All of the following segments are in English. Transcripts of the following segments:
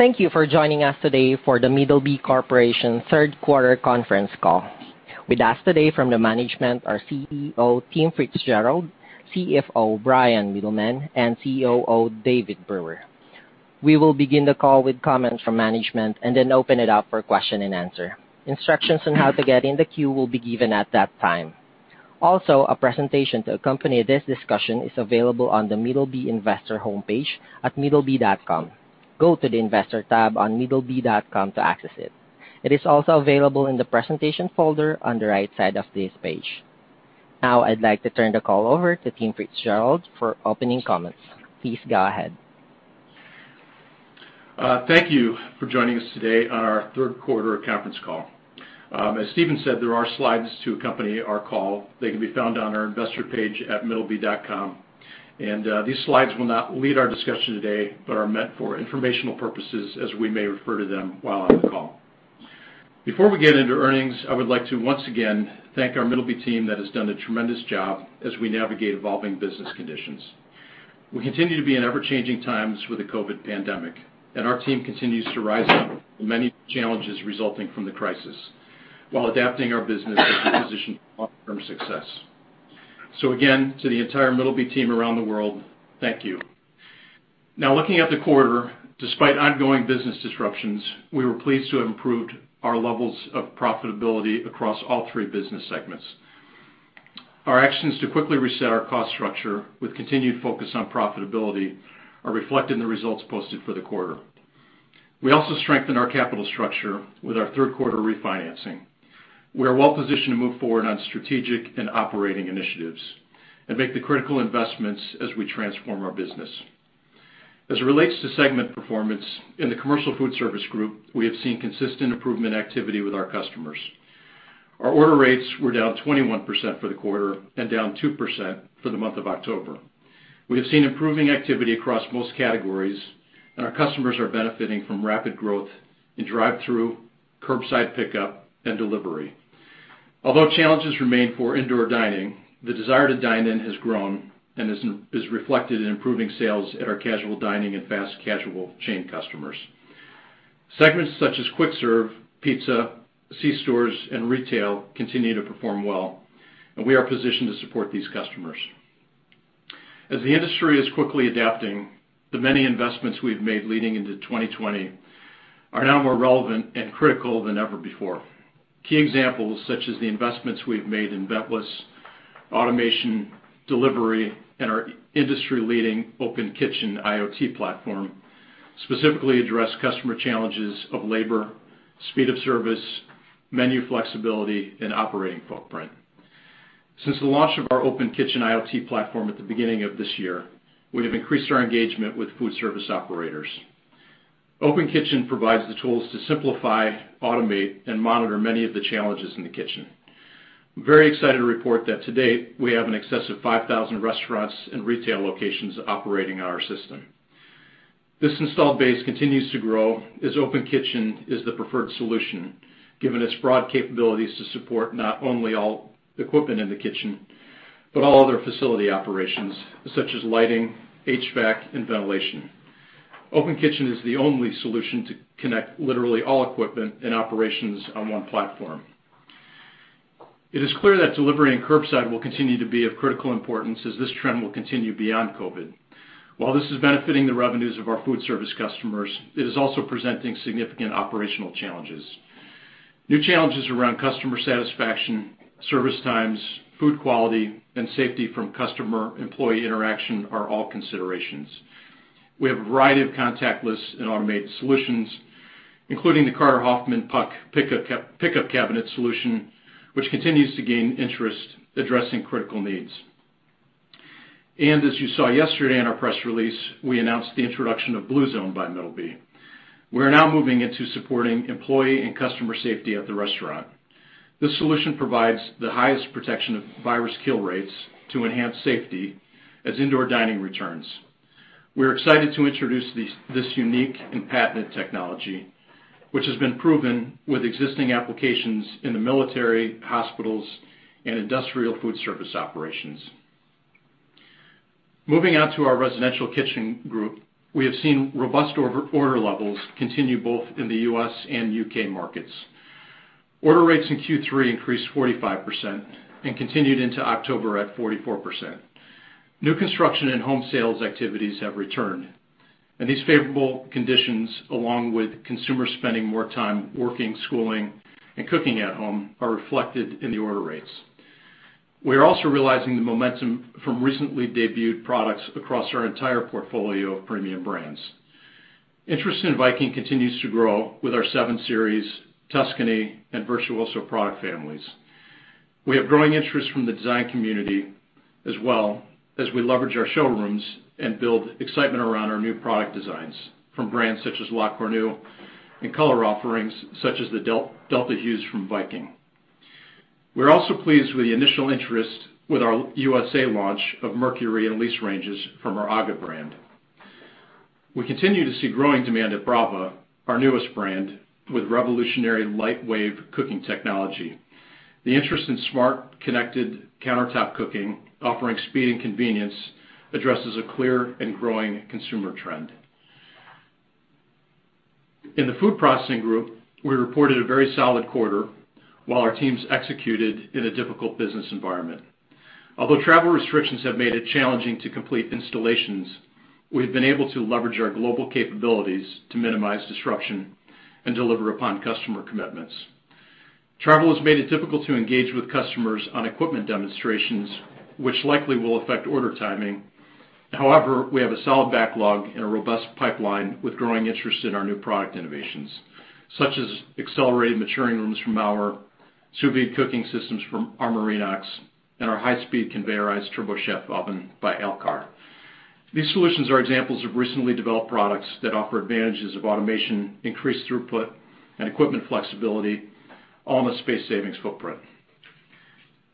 Thank you for joining us today for The Middleby Corporation third quarter conference call. With us today from the management are CEO Tim FitzGerald, CFO Bryan Mittelman, and COO David Brewer. We will begin the call with comments from management and then open it up for question-and-answer. Instructions on how to get in the queue will be given at that time. Also, a presentation to accompany this discussion is available on the Middleby investor homepage at middleby.com. Go to the investor tab on middleby.com to access it. It is also available in the presentation folder on the right side of this page. Now I'd like to turn the call over to Tim FitzGerald for opening comments. Please go ahead. Thank you for joining us today on our third quarter conference call. As Steve said, there are slides to accompany our call. They can be found on our investor page at middleby.com. These slides will not lead our discussion today, but are meant for informational purposes as we may refer to them while on the call. Before we get into earnings, I would like to once again thank our Middleby team that has done a tremendous job as we navigate evolving business conditions. We continue to be in ever-changing times with the COVID pandemic, and our team continues to rise up to the many challenges resulting from the crisis while adapting our business as we position for long-term success. Again, to the entire Middleby team around the world, thank you. Now looking at the quarter, despite ongoing business disruptions, we were pleased to have improved our levels of profitability across all three business segments. Our actions to quickly reset our cost structure with continued focus on profitability are reflected in the results posted for the quarter. We also strengthened our capital structure with our third quarter refinancing. We are well positioned to move forward on strategic and operating initiatives and make the critical investments as we transform our business. As it relates to segment performance, in the Commercial Foodservice Group, we have seen consistent improvement activity with our customers. Our order rates were down 21% for the quarter and down 2% for the month of October. We have seen improving activity across most categories, and our customers are benefiting from rapid growth in drive-thru, curbside pickup, and delivery. Although challenges remain for indoor dining, the desire to dine-in has grown and is reflected in improving sales at our casual dining and fast casual chain customers. Segments such as quick-serve pizza, C-stores, and retail continue to perform well, and we are positioned to support these customers. As the industry is quickly adapting, the many investments we've made leading into 2020 are now more relevant and critical than ever before. Key examples, such as the investments we've made in ventless, automation, delivery, and our industry-leading Open Kitchen IoT platform, specifically address customer challenges of labor, speed of service, menu flexibility, and operating footprint. Since the launch of our Open Kitchen IoT platform at the beginning of this year, we have increased our engagement with Foodservice operators. Open Kitchen provides the tools to simplify, automate, and monitor many of the challenges in the kitchen. I'm very excited to report that to date, we have in excess of 5,000 restaurants and retail locations operating on our system. This installed base continues to grow as Open Kitchen is the preferred solution, given its broad capabilities to support not only all the equipment in the kitchen, but all other facility operations, such as lighting, HVAC, and ventilation. Open Kitchen is the only solution to connect literally all equipment and operations on one platform. It is clear that delivery and curbside will continue to be of critical importance, as this trend will continue beyond COVID. While this is benefiting the revenues of our Foodservice customers, it is also presenting significant operational challenges. New challenges around customer satisfaction, service times, food quality, and safety from customer-employee interaction are all considerations. We have a variety of contactless and automated solutions, including the Carter-Hoffmann PUC pick-up cabinet solution, which continues to gain interest addressing critical needs. As you saw yesterday in our press release, we announced the introduction of Bluezone by Middleby. We are now moving into supporting employee and customer safety at the restaurant. This solution provides the highest protection of virus kill rates to enhance safety as indoor dining returns. We're excited to introduce this unique and patented technology, which has been proven with existing applications in the military, hospitals, and industrial Foodservice operations. Moving out to Residential Kitchen group, we have seen robust order levels continue both in the U.S. and U.K. markets. Order rates in Q3 increased 45% and continued into October at 44%. New construction and home sales activities have returned, and these favorable conditions, along with consumers spending more time working, schooling, and cooking at home, are reflected in the order rates. We are also realizing the momentum from recently debuted products across our entire portfolio Brava, our newest brand of premium brands. Interest in Viking continues to grow with our 7 Series, Tuscany, and Virtuoso product families. We have growing interest from the design community as well as we leverage our showrooms and build excitement around our new product designs from brands such as La Cornue and color offerings such as the Delta Hues from Viking. We're also pleased with the initial interest with our U.S.A. launch of Mercury and Elise ranges from our AGA brand. We continue to see growing demand at Brava, our newest brand with revolutionary light wave cooking technology. The interest in smart, connected countertop cooking offering speed and convenience addresses a clear and growing consumer trend. In the Food Processing group, we reported a very solid quarter while our teams executed in a difficult business environment. Although travel restrictions have made it challenging to complete installations, we've been able to leverage our global capabilities to minimize disruption and deliver upon customer commitments. Travel has made it difficult to engage with customers on equipment demonstrations, which likely will affect order timing. However, we have a solid backlog and a robust pipeline with growing interest in our new product innovations, such as accelerated maturing rooms from Maurer, sous vide cooking systems from Armor Inox, and our high-speed conveyorized TurboChef oven by Alkar. These solutions are examples of recently developed products that offer advantages of automation, increased throughput, and equipment flexibility, all in a space-savings footprint.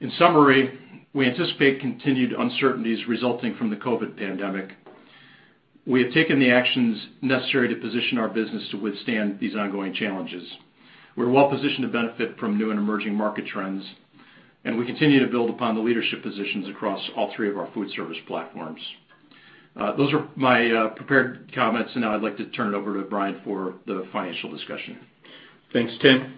In summary, we anticipate continued uncertainties resulting from the COVID pandemic. We have taken the actions necessary to position our business to withstand these ongoing challenges. We're well-positioned to benefit from new and emerging market trends, and we continue to build upon the leadership positions across all three of our Foodservice platforms. Those are my prepared comments, and now I'd like to turn it over to Bryan for the financial discussion. Thanks, Tim.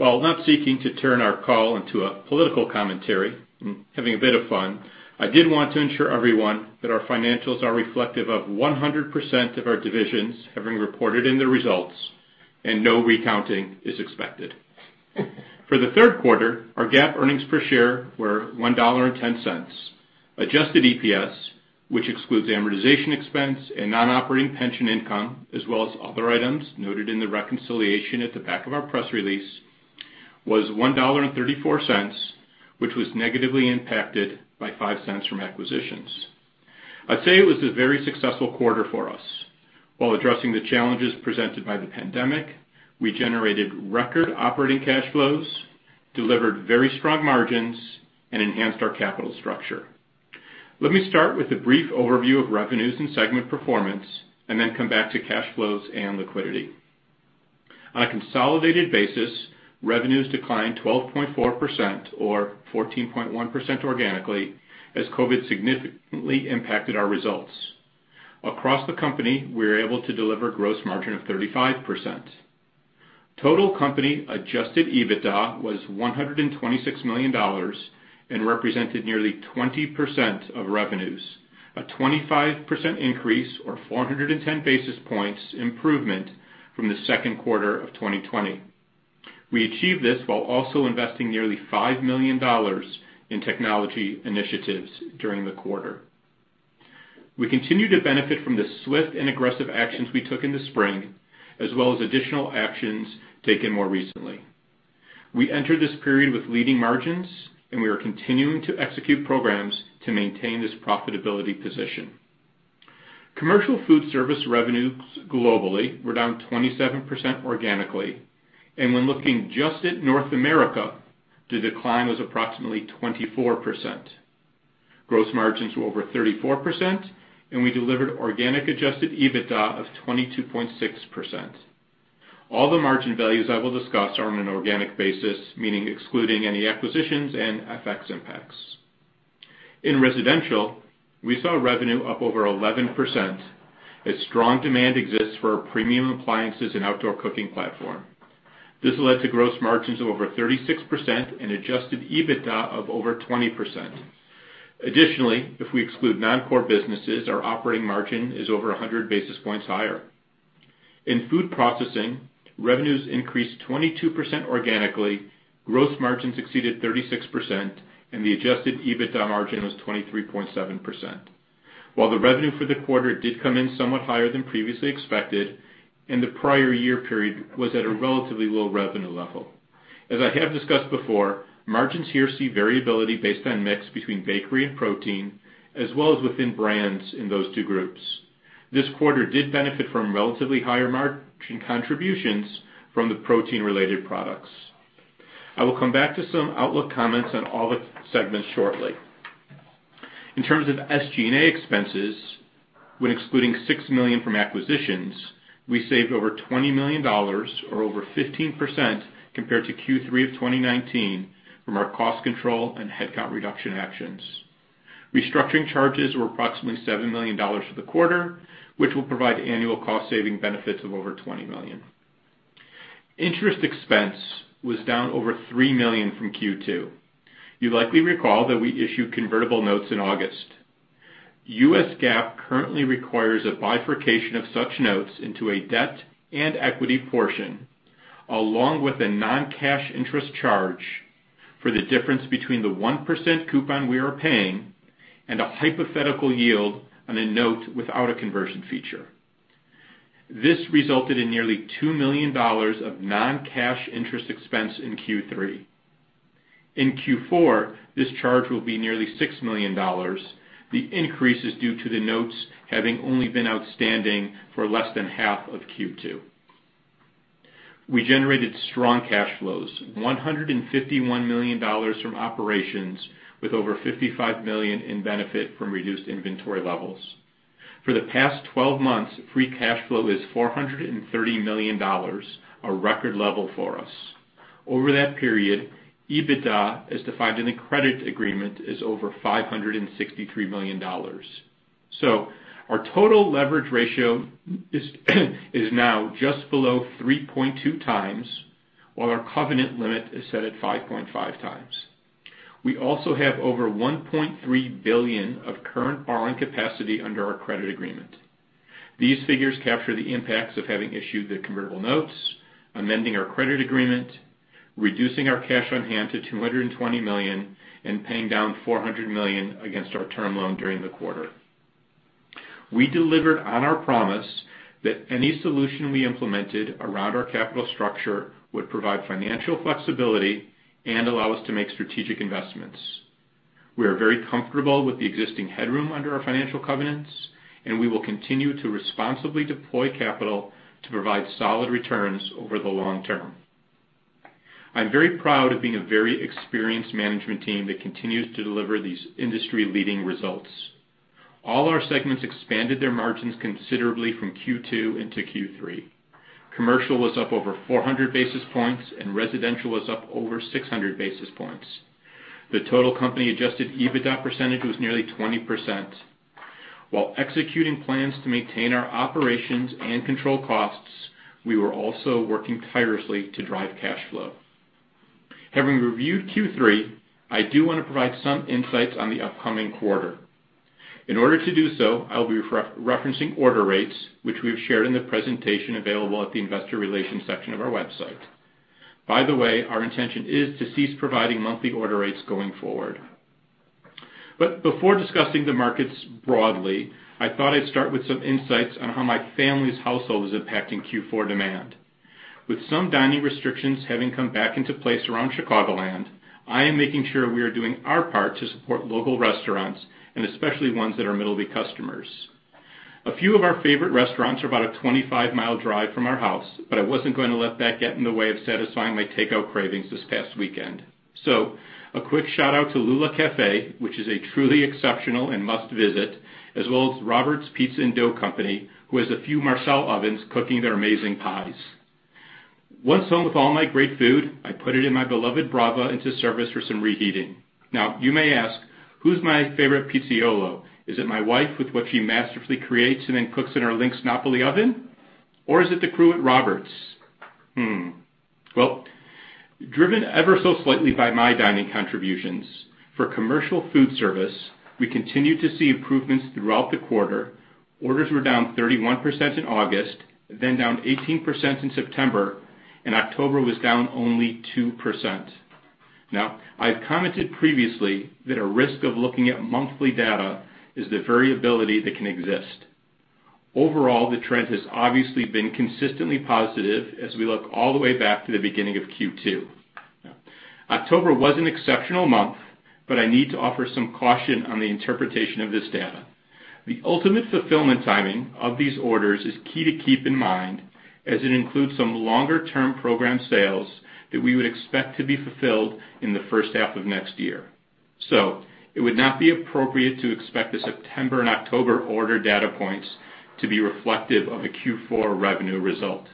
While not seeking to turn our call into a political commentary, I'm having a bit of fun, I did want to ensure everyone that our financials are reflective of 100% of our divisions having reported in their results, and no recounting is expected. For the third quarter, our GAAP earnings per share were $1.10. Adjusted EPS, which excludes amortization expense and non-operating pension income, as well as other items noted in the reconciliation at the back of our press release, was $1.34, which was negatively impacted by $0.05 from acquisitions. I'd say it was a very successful quarter for us. While addressing the challenges presented by the pandemic, we generated record operating cash flows, delivered very strong margins, and enhanced our capital structure. Let me start with a brief overview of revenues and segment performance, and then come back to cash flows and liquidity. On a consolidated basis, revenues declined 12.4%, or 14.1% organically, as COVID significantly impacted our results. Across the company, we were able to deliver gross margin of 35%. Total company adjusted EBITDA was $126 million and represented nearly 20% of revenues, a 25% increase, or 410 basis points improvement from the second quarter of 2020. We achieved this while also investing nearly $5 million in technology initiatives during the quarter. We continue to benefit from the swift and aggressive actions we took in the spring, as well as additional actions taken more recently. We entered this period with leading margins, and we are continuing to execute programs to maintain this profitability position. Commercial Foodservice revenues globally were down 27% organically, and when looking just at North America, the decline was approximately 24%. Gross margins were over 34%, and we delivered organic adjusted EBITDA of 22.6%. All the margin values I will discuss are on an organic basis, meaning excluding any acquisitions and FX impacts. In Residential, we saw revenue up over 11% as strong demand exists for our premium appliances and outdoor cooking platform. This led to gross margins of over 36% and adjusted EBITDA of over 20%. Additionally, if we exclude non-core businesses, our operating margin is over 100 basis points higher. In Food Processing, revenues increased 22% organically, gross margins exceeded 36%, and the adjusted EBITDA margin was 23.7%. While the revenue for the quarter did come in somewhat higher than previously expected, and the prior year period was at a relatively low revenue level. As I have discussed before, margins here see variability based on mix between bakery and protein, as well as within brands in those two groups. This quarter did benefit from relatively higher margin contributions from the protein-related products. I will come back to some outlook comments on all the segments shortly. In terms of SG&A expenses, when excluding $6 million from acquisitions, we saved over $20 million, or over 15% compared to Q3 of 2019 from our cost control and headcount reduction actions. Restructuring charges were approximately $7 million for the quarter, which will provide annual cost-saving benefits of over $20 million. Interest expense was down over $3 million from Q2. You likely recall that we issued convertible notes in August. U.S. GAAP currently requires a bifurcation of such notes into a debt and equity portion, along with a non-cash interest charge for the difference between the 1% coupon we are paying and a hypothetical yield on a note without a conversion feature. This resulted in nearly $2 million of non-cash interest expense in Q3. In Q4, this charge will be nearly $6 million. The increase is due to the notes having only been outstanding for less than half of Q2. We generated strong cash flows, $151 million from operations with over $55 million in benefit from reduced inventory levels. For the past 12 months, free cash flow is $430 million, a record level for us. Over that period, EBITDA as defined in the credit agreement is over $563 million. Our total leverage ratio is now just below 3.2x while our covenant limit is set at 5.5x. We also have over $1.3 billion of current borrowing capacity under our credit agreement. These figures capture the impacts of having issued the convertible notes, amending our credit agreement, reducing our cash on hand to $220 million, and paying down $400 million against our term loan during the quarter. We delivered on our promise that any solution we implemented around our capital structure would provide financial flexibility and allow us to make strategic investments. We are very comfortable with the existing headroom under our financial covenants, and we will continue to responsibly deploy capital to provide solid returns over the long term. I'm very proud of being a very experienced management team that continues to deliver these industry-leading results. All our segments expanded their margins considerably from Q2 into Q3. Commercial was up over 400 basis points, and Residential was up over 600 basis points. The total company-adjusted EBITDA percentage was nearly 20%. While executing plans to maintain our operations and control costs, we were also working tirelessly to drive cash flow. Having reviewed Q3, I do want to provide some insights on the upcoming quarter. In order to do so, I'll be referencing order rates, which we have shared in the presentation available at the investor relations section of our website. By the way, our intention is to cease providing monthly order rates going forward. Before discussing the markets broadly, I thought I'd start with some insights on how my family's household is impacting Q4 demand. With some dining restrictions having come back into place around Chicagoland, I am making sure we are doing our part to support local restaurants, and especially ones that are Middleby customers. A few of our favorite restaurants are about a 25 mi drive from our house, I wasn't going to let that get in the way of satisfying my takeout cravings this past weekend. A quick shout-out to Lula Café, which is a truly exceptional and must-visit, as well as Robert's Pizza & Dough Company, who has a few Marsal ovens cooking their amazing pies. Once home with all my great food, I put it in my beloved Brava into service for some reheating. You may ask, who's my favorite pizzaiolo? Is it my wife with what she masterfully creates and then cooks in her Lynx Napoli oven? Is it the crew at Robert's? Hmm. Driven ever so slightly by my dining contributions, for Commercial Foodservice, we continued to see improvements throughout the quarter. Orders were down 31% in August, then down 18% in September, and October was down only 2%. I've commented previously that a risk of looking at monthly data is the variability that can exist. Overall, the trend has obviously been consistently positive as we look all the way back to the beginning of Q2. October was an exceptional month, but I need to offer some caution on the interpretation of this data. The ultimate fulfillment timing of these orders is key to keep in mind, as it includes some longer-term program sales that we would expect to be fulfilled in the first half of next year. It would not be appropriate to expect the September and October order data points to be reflective of a Q4 revenue result.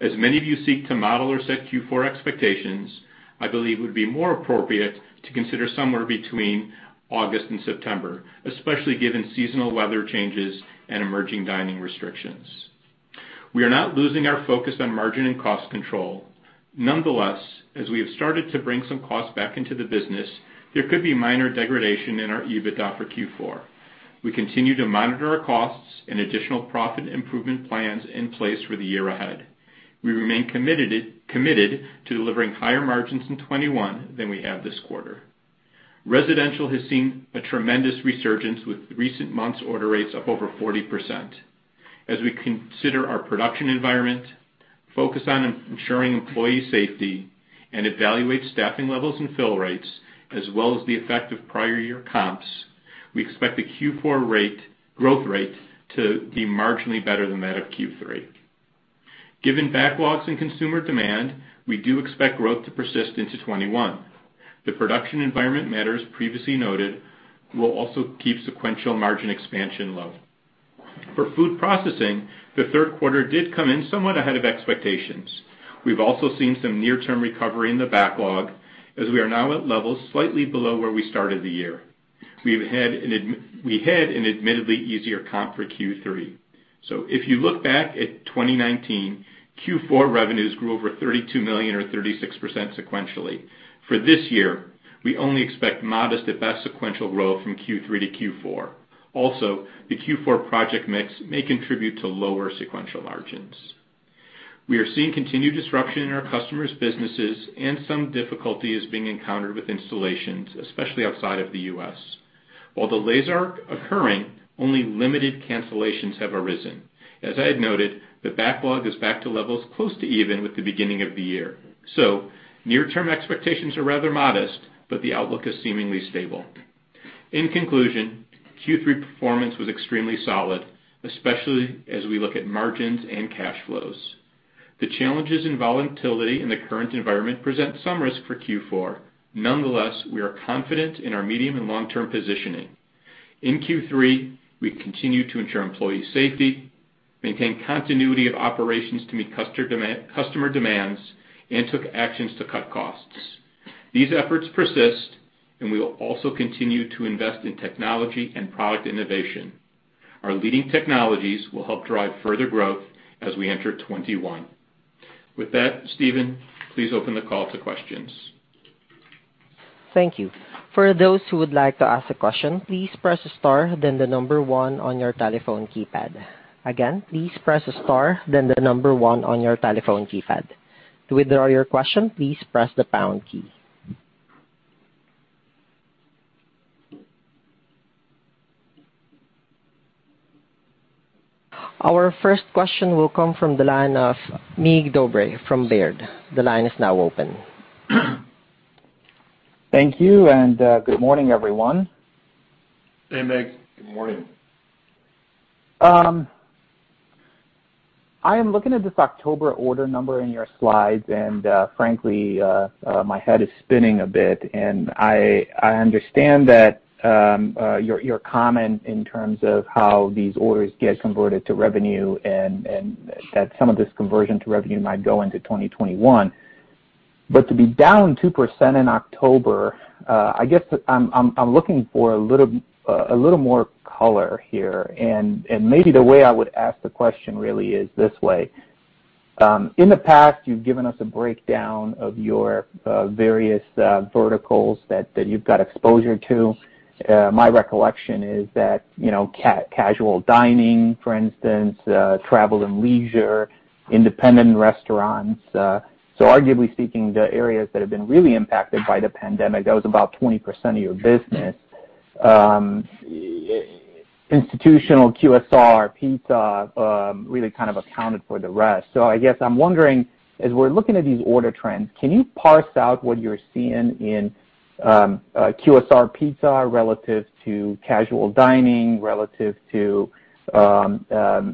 As many of you seek to model or set Q4 expectations, I believe it would be more appropriate to consider somewhere between August and September, especially given seasonal weather changes and emerging dining restrictions. We are not losing our focus on margin and cost control. Nonetheless, as we have started to bring some costs back into the business, there could be minor degradation in our EBITDA for Q4. We continue to monitor our costs and additional profit improvement plans in place for the year ahead. We remain committed to delivering higher margins in 2021 than we have this quarter. Residential has seen a tremendous resurgence with recent months' order rates up over 40%. As we consider our production environment, focus on ensuring employee safety, and evaluate staffing levels and fill rates, as well as the effect of prior year comps, we expect the Q4 rate, growth rate to be marginally better than that of Q3. Given backlogs in consumer demand, we do expect growth to persist into 2021. The production environment matters previously noted will also keep sequential margin expansion low. For Food Processing, the third quarter did come in somewhat ahead of expectations. We've also seen some near-term recovery in the backlog, as we are now at levels slightly below where we started the year. We had an admittedly easier comp for Q3. If you look back at 2019, Q4 revenues grew over $32 million or 36% sequentially. For this year, we only expect modest at best sequential growth from Q3 to Q4. The Q4 project mix may contribute to lower sequential margins. We are seeing continued disruption in our customers' businesses and some difficulties being encountered with installations, especially outside of the U.S. While the delays are occurring, only limited cancellations have arisen. As I had noted, the backlog is back to levels close to even with the beginning of the year. Near-term expectations are rather modest, but the outlook is seemingly stable. In conclusion, Q3 performance was extremely solid, especially as we look at margins and cash flows. The challenges and volatility in the current environment present some risk for Q4. Nonetheless, we are confident in our medium and long-term positioning. In Q3, we continued to ensure employee safety, maintained continuity of operations to meet customer demands, and took actions to cut costs. These efforts persist, and we will also continue to invest in technology and product innovation. Our leading technologies will help drive further growth as we enter 2021. With that, Stephen, please open the call to questions. Thank you. For those who would like to ask a question, please press star then the number one on your telephone keypad. Again, please press star then the number one on your telephone keypad. To withdraw your question, please press the pound key. Our first question will come from the line of Mig Dobre from Baird. The line is now open. Thank you, and good morning, everyone. Hey, Mig. Good morning. I am looking at this October order number in your slides. Frankly, my head is spinning a bit. I understand that your comment in terms of how these orders get converted to revenue and that some of this conversion to revenue might go into 2021. To be down 2% in October, I guess I'm looking for a little more color here. Maybe the way I would ask the question really is this way: In the past, you've given us a breakdown of your various verticals that you've got exposure to. My recollection is that casual dining, for instance, travel and leisure, independent restaurants. Arguably speaking, the areas that have been really impacted by the pandemic, that was about 20% of your business. Institutional QSR pizza, really kind of accounted for the rest. I guess I'm wondering, as we're looking at these order trends, can you parse out what you're seeing in QSR pizza relative to casual dining, relative to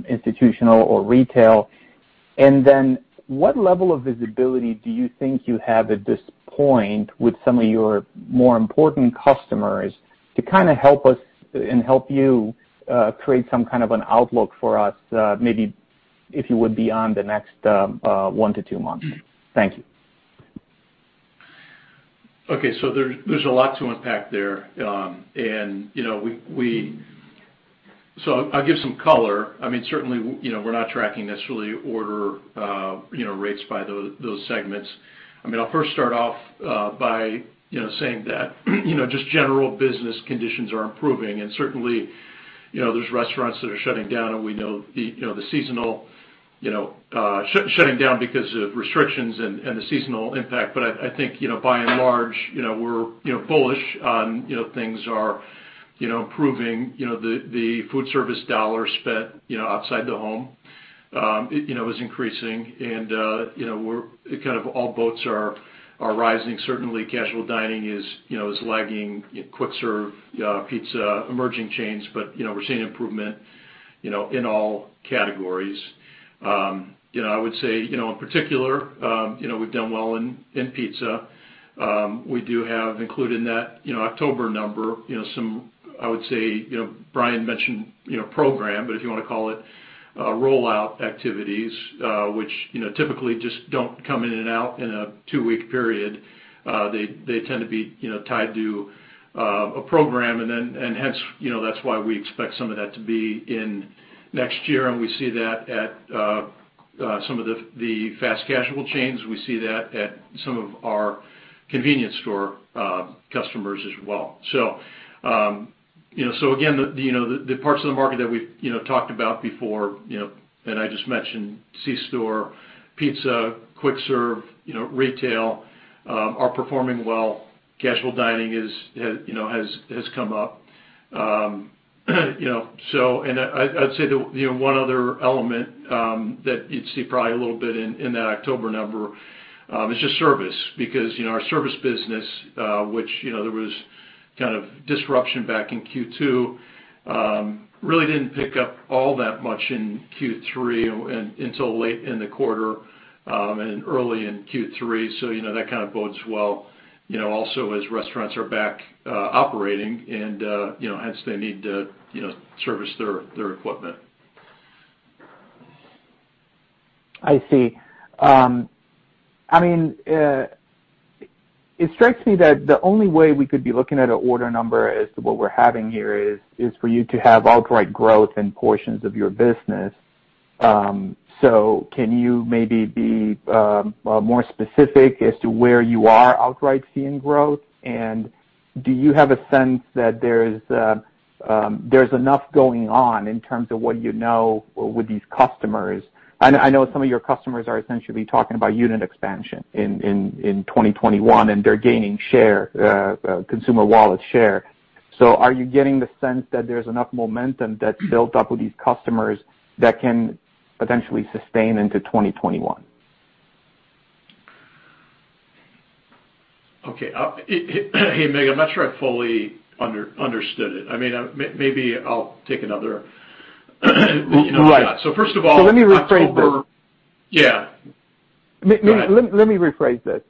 institutional or retail? What level of visibility do you think you have at this point with some of your more important customers to kind of help us and help you create some kind of an outlook for us, maybe if you would, beyond the next one to two months? Thank you. Okay. There's a lot to unpack there. I'll give some color. Certainly, we're not tracking necessarily order rates by those segments. I'll first start off by saying that just general business conditions are improving. Certainly, there's restaurants that are shutting down because of restrictions and the seasonal impact. I think by and large, we're bullish on things are improving. The Foodservice dollar spent outside the home is increasing, and all boats are rising. Certainly, casual dining is lagging quick-serve pizza emerging chains, but we're seeing improvement in all categories. I would say, in particular, we've done well in pizza. We do have included in that October number, I would say Bryan mentioned program, but if you want to call it rollout activities, which typically just don't come in and out in a two-week period. Hence, that's why we expect some of that to be in next year, and we see that at some of the fast casual chains. We see that at some of our convenience store customers as well. Again, the parts of the market that we've talked about before, and I just mentioned C-store, pizza, quick-serve, retail, are performing well. Casual dining has come up. I'd say the one other element that you'd see probably a little bit in that October number is just service. Because our Service business which there was kind of disruption back in Q2, really didn't pick up all that much in Q3 until late in the quarter and early in Q3. That kind of bodes well. Also, as restaurants are back operating, hence they need to service their equipment. I see. It strikes me that the only way we could be looking at an order number as to what we're having here is for you to have outright growth in portions of your business. Can you maybe be more specific as to where you are outright seeing growth? Do you have a sense that there's enough going on in terms of what you know with these customers? I know some of your customers are essentially talking about unit expansion in 2021, and they're gaining consumer wallet share. Are you getting the sense that there's enough momentum that's built up with these customers that can potentially sustain into 2021? Hey, Mig, I'm not sure I fully understood it. Maybe I'll take another shot. Right. So first of all, October— Let me rephrase this. Yeah. Go ahead. Let me rephrase this.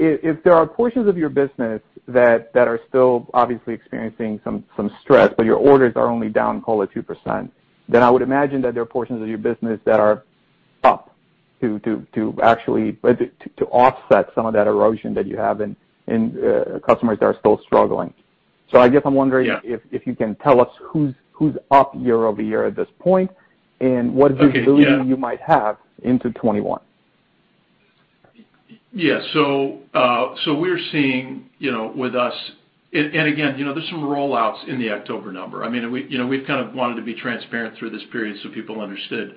If there are portions of your business that are still obviously experiencing some stress, but your orders are only down, call it 2%, then I would imagine that there are portions of your business that are up to actually offset some of that erosion that you have in customers that are still struggling. So I guess, I'm wondering— Yeah. —if you can tell us who's up year-over-year at this point? Okay, yeah. And what you might have into 2021? We're seeing, with us, and again, there's some rollouts in the October number. We've kind of wanted to be transparent through this period so people understood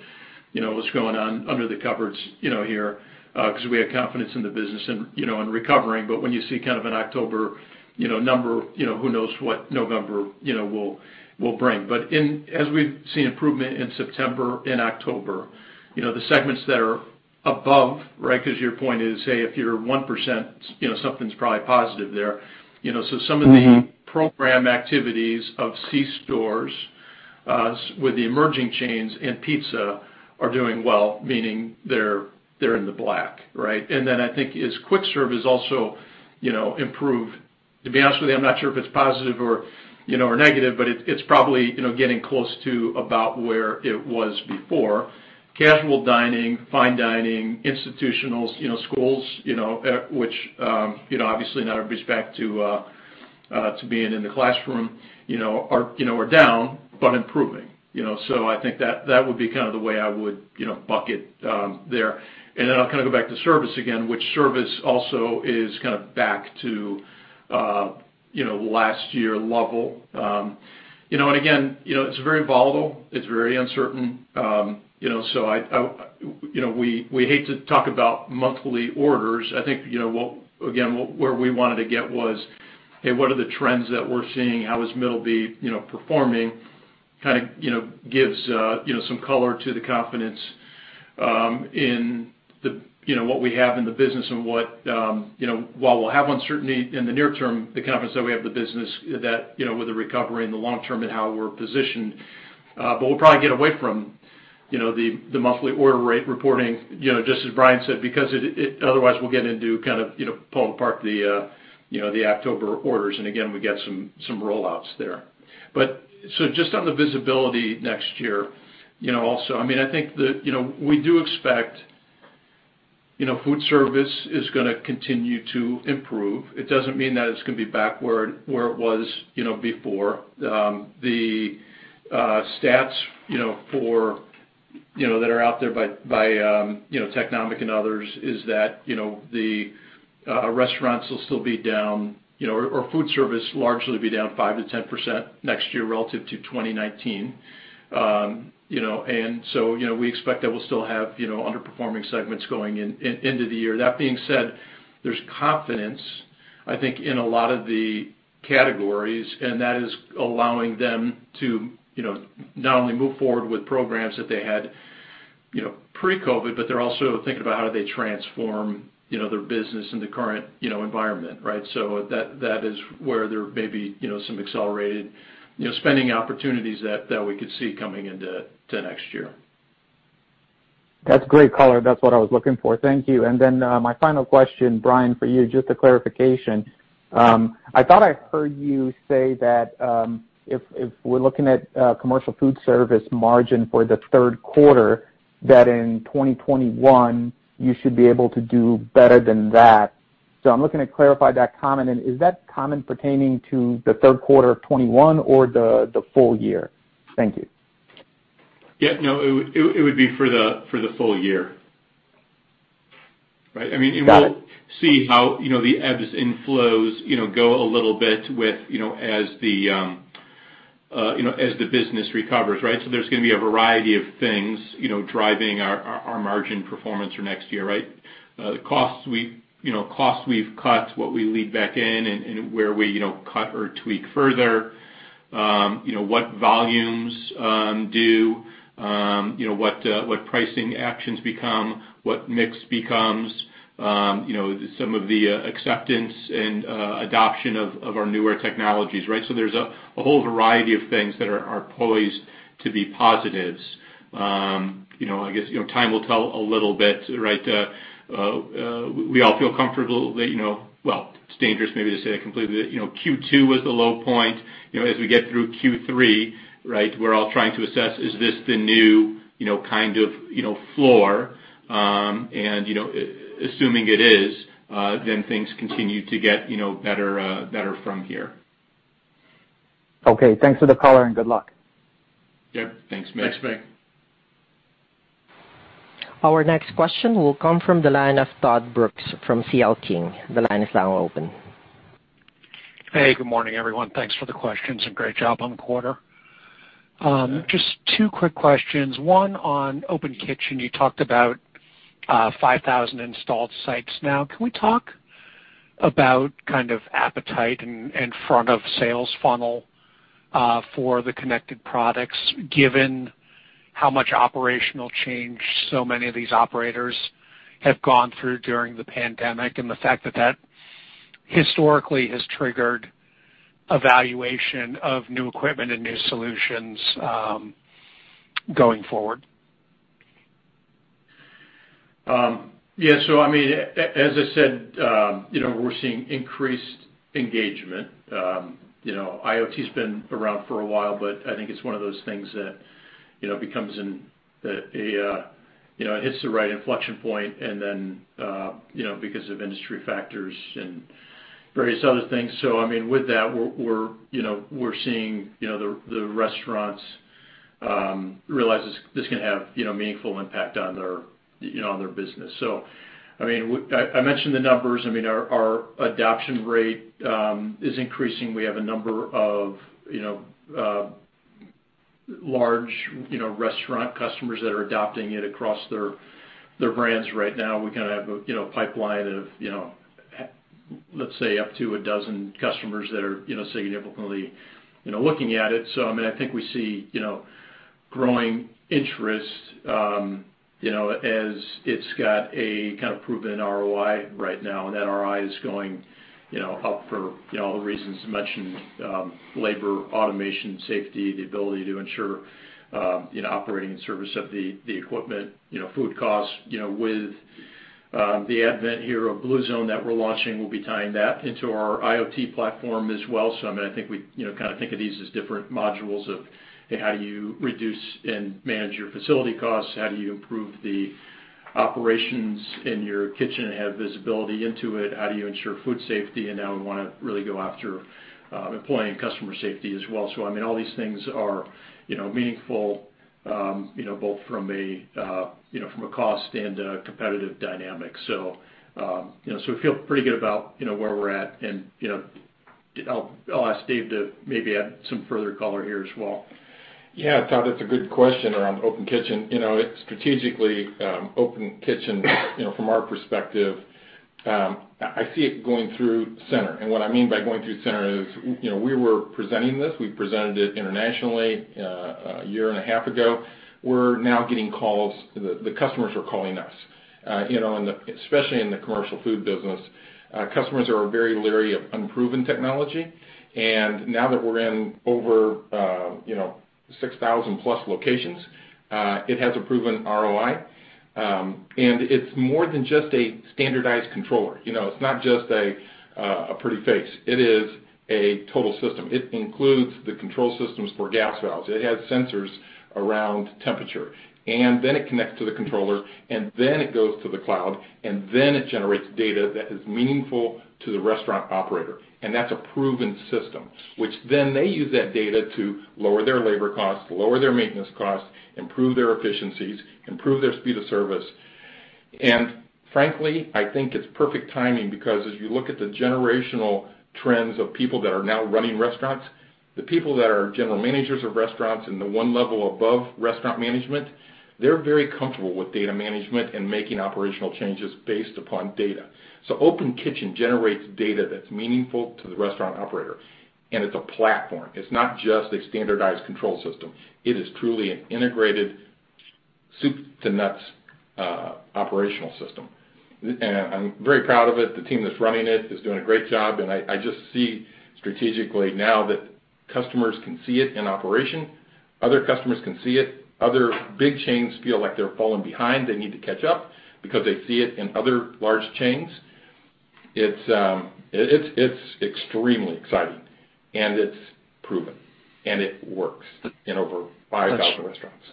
what's going on under the covers here, because we have confidence in the business and recovering, but when you see kind of an October number, who knows what November will bring. As we've seen improvement in September and October, the segments that are above, right, because your point is, hey, if you're 1%, something's probably positive there. Some of the program activities of C-stores, with the emerging chains and pizza are doing well, meaning they're in the black, right? I think as quick-serve has also improved. To be honest with you, I'm not sure if it's positive or negative, but it's probably getting close to about where it was before. Casual dining, fine dining, institutional, schools, which, obviously not with respect to being in the classroom are down, but improving. I think that would be kind of the way I would bucket there. I'll kind of go back to service again, which service also is kind of back to last year level. Again, it's very volatile. It's very uncertain. We hate to talk about monthly orders. I think, again, where we wanted to get was, "Hey, what are the trends that we're seeing? How is Middleby performing?" Kind of gives some color to the confidence in what we have in the business and while we'll have uncertainty in the near term, the confidence that we have in the business that with the recovery and the long term and how we're positioned. We'll probably get away from the monthly order rate reporting, just as Bryan said, because otherwise we'll get into kind of pulling apart the October orders, and again, we get some rollouts there. Just on the visibility next year, also, I think that we do expect Foodservice is going to continue to improve. It doesn't mean that it's going to be back where it was before. The stats that are out there by Technomic and others, is that the restaurants will still be down, or Foodservice largely will be down 5%-10% next year relative to 2019. We expect that we'll still have underperforming segments going into the year. That being said, there's confidence, I think, in a lot of the categories, and that is allowing them to not only move forward with programs that they had pre-COVID, but they're also thinking about how do they transform their business in the current environment, right? That is where there may be some accelerated spending opportunities that we could see coming into next year. That's great color. That's what I was looking for. Thank you. My final question, Bryan, for you, just a clarification. I thought I heard you say that if we're looking at Commercial Foodservice margin for the third quarter, that in 2021, you should be able to do better than that. I'm looking to clarify that comment. Is that comment pertaining to the third quarter of 2021 or the full year? Thank you. Yeah, no, it would be for the full year. Right? Got it. We'll see how the ebbs and flows go a little bit as the business recovers, right? There's going to be a variety of things driving our margin performance for next year, right? Costs we've cut, what we lead back in, and where we cut or tweak further. What volumes do, what pricing actions become, what mix becomes, some of the acceptance and adoption of our newer technologies, right? There's a whole variety of things that are poised to be positives. I guess, time will tell a little bit. We all feel comfortable that, well, it's dangerous maybe to say that completely, that Q2 was the low point. As we get through Q3, we're all trying to assess, is this the new kind of floor, and assuming it is, then things continue to get better from here. Okay. Thanks for the color and good luck. Yep, thanks Mig. Thanks Mig. Our next question will come from the line of Todd Brooks from C.L. King. The line is now open. Hey, good morning, everyone. Thanks for the questions and great job on the quarter. Yeah. Just two quick questions. One on Open Kitchen. You talked about 5,000 installed sites now. Can we talk about kind of appetite and front of sales funnel for the connected products, given how much operational change so many of these operators have gone through during the pandemic, and the fact that that historically has triggered evaluation of new equipment and new solutions going forward? Yeah. As I said, we're seeing increased engagement. IoT has been around for a while, but I think it's one of those things that hits the right inflection point, and then because of industry factors and various other things. With that, we're seeing the restaurants realize this can have meaningful impact on their business. I mentioned the numbers. Our adoption rate is increasing. We have a number of large restaurant customers that are adopting it across their brands right now. We kind of have a pipeline of, let's say, up to a dozen customers that are significantly looking at it. I think we see growing interest, as it's got a kind of proven ROI right now. That ROI is going up for all the reasons mentioned, labor, automation, safety, the ability to ensure operating and service of the equipment, food costs. With the advent here of Bluezone that we're launching, we'll be tying that into our IoT platform as well. I think we kind of think of these as different modules of how do you reduce and manage your facility costs, how do you improve the operations in your kitchen and have visibility into it, how do you ensure food safety? Now we want to really go after employee and customer safety as well. All these things are meaningful, both from a cost and a competitive dynamic. We feel pretty good about where we're at. I'll ask Dave to maybe add some further color here as well. Yeah, Todd, that's a good question around Open Kitchen. Strategically, Open Kitchen, from our perspective, I see it going through center. What I mean by going through center is, we were presenting this, we presented it internationally a year and a half ago. We're now getting calls. The customers are calling us. Especially in the Commercial Food business, customers are very leery of unproven technology. Now that we're in over 6,000+ locations, it has a proven ROI. It's more than just a standardized controller. It's not just a pretty face. It is a total system. It includes the control systems for gas valves. It has sensors around temperature. Then it connects to the controller, and then it goes to the cloud, and then it generates data that is meaningful to the restaurant operator. That's a proven system, which then they use that data to lower their labor costs, lower their maintenance costs, improve their efficiencies, improve their speed of service. Frankly, I think it's perfect timing because as you look at the generational trends of people that are now running restaurants, the people that are general managers of restaurants and the one level above restaurant management, they're very comfortable with data management and making operational changes based upon data. Open Kitchen generates data that's meaningful to the restaurant operator, and it's a platform. It's not just a standardized control system. It is truly an integrated soup-to-nuts operational system. I'm very proud of it. The team that's running it is doing a great job, and I just see strategically now that customers can see it in operation. Other customers can see it. Other big chains feel like they're falling behind, they need to catch up because they see it in other large chains. It's extremely exciting, and it's proven, and it works in over 5,000 restaurants.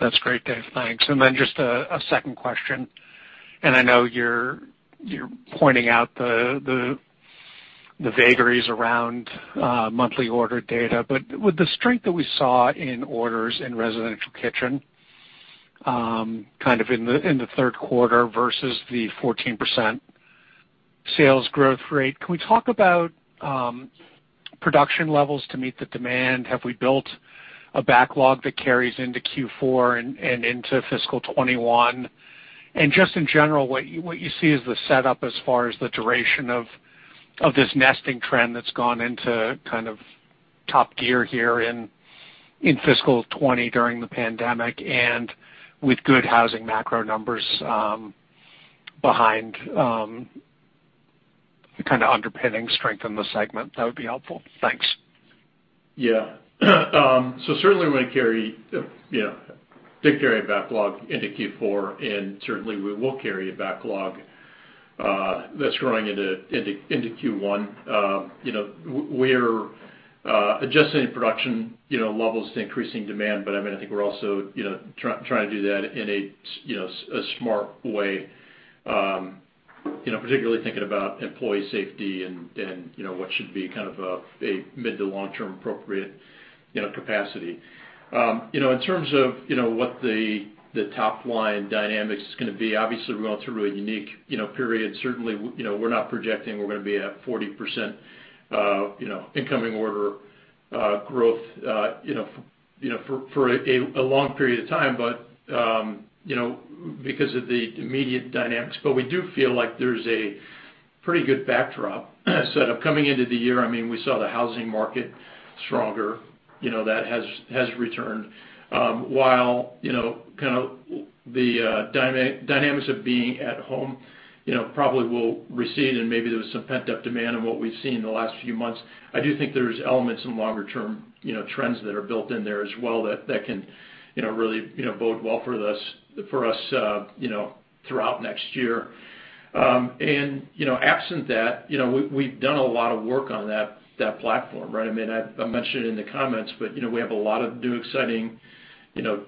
That's great, Dave. Thanks. Just a second question. I know you're pointing out the vagaries around monthly order data, but with the strength that we saw in orders in Residential Kitchen kind of in the third quarter versus the 14% sales growth rate, can we talk about production levels to meet the demand? Have we built a backlog that carries into Q4 and into fiscal 2021? Just in general, what you see as the setup as far as the duration of this nesting trend that's gone into kind of top gear here in fiscal 2020 during the pandemic and with good housing macro numbers behind kind of underpinning strength in the segment, that would be helpful. Thanks. Yeah. Certainly, did carry a backlog into Q4, and certainly we will carry a backlog that's growing into Q1. We're adjusting production levels to increasing demand, but I think we're also trying to do that in a smart way, particularly thinking about employee safety and what should be kind of a mid to long-term appropriate capacity. In terms of what the top line dynamics is going to be, obviously, we're going through a unique period. Certainly, we're not projecting we're going to be at 40% incoming order growth for a long period of time, but because of the immediate dynamics. We do feel like there's a pretty good backdrop set up coming into the year. We saw the housing market stronger, that has returned. While the dynamics of being at home probably will recede and maybe there was some pent-up demand in what we've seen in the last few months, I do think there's elements in longer term trends that are built in there as well that can really bode well for us throughout next year. Absent that, we've done a lot of work on that platform, right? I mentioned it in the comments, but we have a lot of new exciting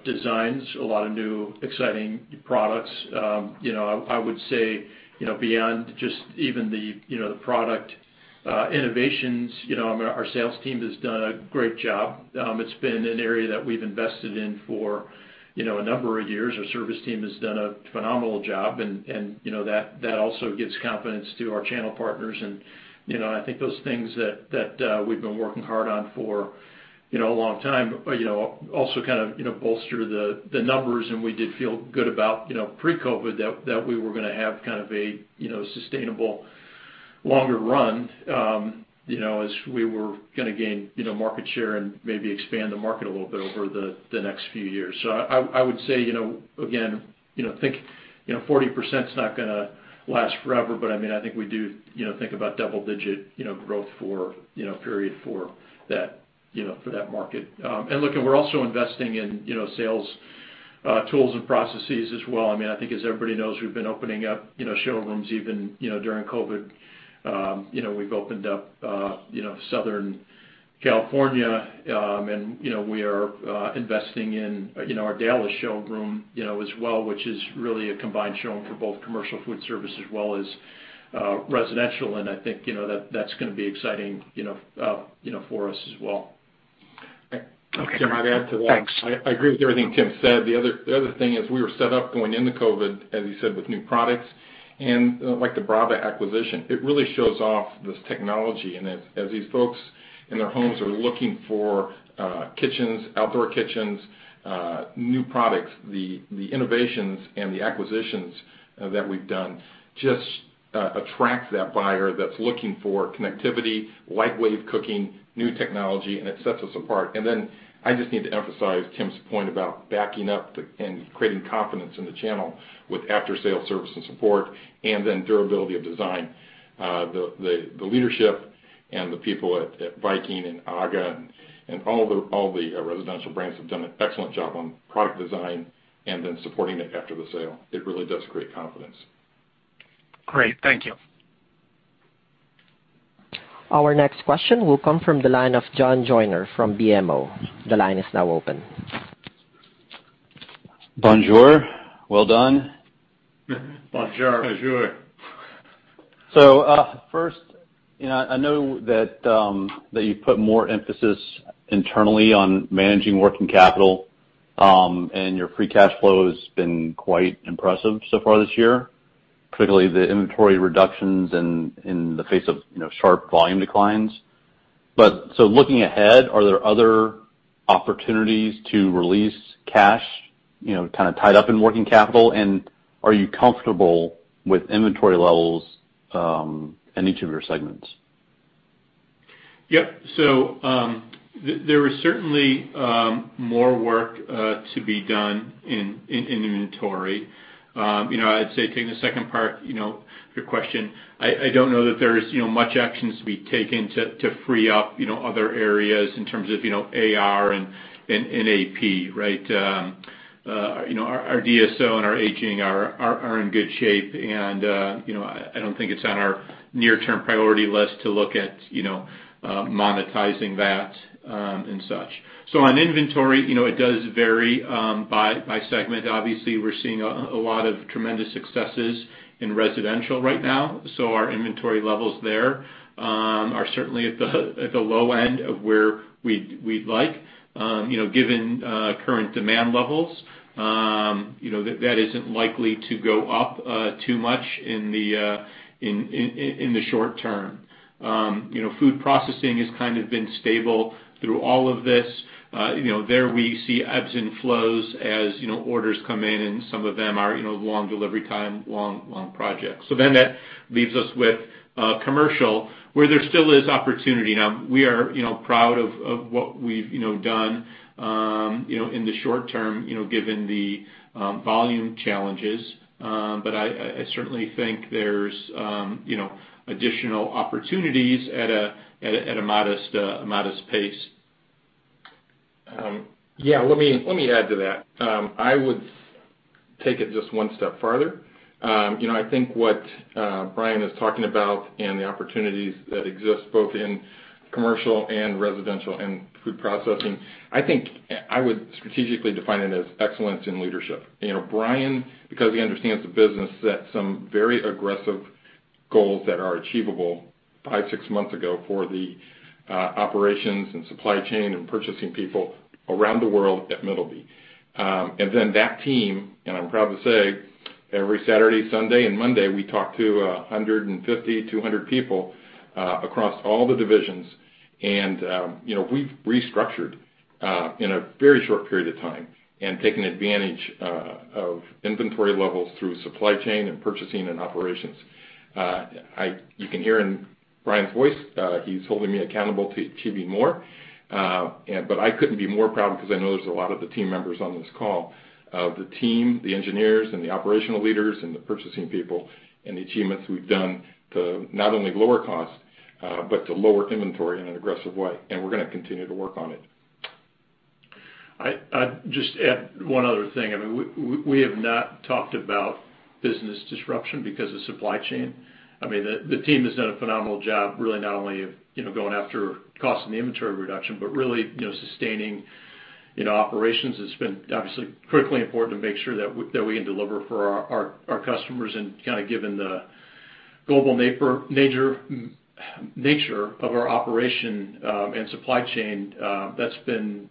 designs, a lot of new exciting products. I would say beyond just even the product innovations, our sales team has done a great job. It's been an area that we've invested in for a number of years. Our service team has done a phenomenal job. That also gives confidence to our channel partners. I think those things that we've been working hard on for a long time also kind of bolster the numbers. We did feel good about pre-COVID that we were going to have kind of a sustainable longer run as we were going to gain market share and maybe expand the market a little bit over the next few years. I would say, again, I think 40% is not going to last forever. I think we do think about double-digit growth for a period for that market. Look, we're also investing in sales tools and processes as well. I think, as everybody knows, we've been opening up showrooms even during COVID. We've opened up Southern California, and we are investing in our Dallas showroom as well, which is really a combined showroom for both Commercial Foodservice as well as Residential, and I think that's going to be exciting for us as well. Okay. I'd add to that. Thanks. I agree with everything Tim said. The other thing is we were set up going into COVID, as you said, with new products. Like the Brava acquisition, it really shows off this technology. As these folks in their homes are looking for kitchens, outdoor kitchens, new products, the innovations and the acquisitions that we've done just attract that buyer that's looking for connectivity, light wave cooking, new technology, and it sets us apart. Then I just need to emphasize Tim's point about backing up and creating confidence in the channel with after-sale service and support, and then durability of design. The leadership and the people at Viking and AGA and all the Residential brands have done an excellent job on product design and then supporting it after the sale. It really does create confidence. Great. Thank you. Our next question will come from the line of John Joyner from BMO. The line is now open. Bonjour. Well done. Bonjour. Bonjour. First, I know that you put more emphasis internally on managing working capital, and your free cash flow has been quite impressive so far this year, particularly the inventory reductions in the face of sharp volume declines. Looking ahead, are there other opportunities to release cash kind of tied up in working capital, and are you comfortable with inventory levels in each of your segments? Yep. There is certainly more work to be done in inventory. I'd say taking the second part of your question, I don't know that there's much actions to be taken to free up other areas in terms of AR and AP, right? Our DSO and our aging are in good shape, and I don't think it's on our near-term priority list to look at monetizing that and such. On inventory, it does vary by segment. Obviously, we're seeing a lot of tremendous successes in Residential right now. Our inventory levels there are certainly at the low end of where we'd like. Given current demand levels, that isn't likely to go up too much in the short term. Food Processing has kind of been stable through all of this. There, we see ebbs and flows as orders come in, and some of them are long delivery time, long project. That leaves us with Commercial, where there still is opportunity. We are proud of what we've done in the short term, given the volume challenges. I certainly think there's additional opportunities at a modest pace. Yeah, let me add to that. I would take it just one step farther. I think what Bryan is talking about and the opportunities that exist both in Commercial and Residential and Food Processing, I think I would strategically define it as excellence in leadership. Bryan, because he understands the business, set some very aggressive goals that are achievable five, six months ago for the operations and supply chain and purchasing people around the world at Middleby. Then that team, and I'm proud to say every Saturday, Sunday, and Monday, we talk to 150, 200 people across all the divisions. We've restructured in a very short period of time and taken advantage of inventory levels through supply chain and purchasing and operations. You can hear in Bryan's voice, he's holding me accountable to achieving more. I couldn't be more proud because I know there's a lot of the team members on this call, of the team, the engineers, and the operational leaders, and the purchasing people, and the achievements we've done to not only lower cost, but to lower inventory in an aggressive way. We're going to continue to work on it. I'd just add one other thing. We have not talked about business disruption because of supply chain. The team has done a phenomenal job, really not only of going after cost and the inventory reduction, but really sustaining operations. It's been obviously critically important to make sure that we can deliver for our customers and kind of given the global nature of our operation and supply chain, that's been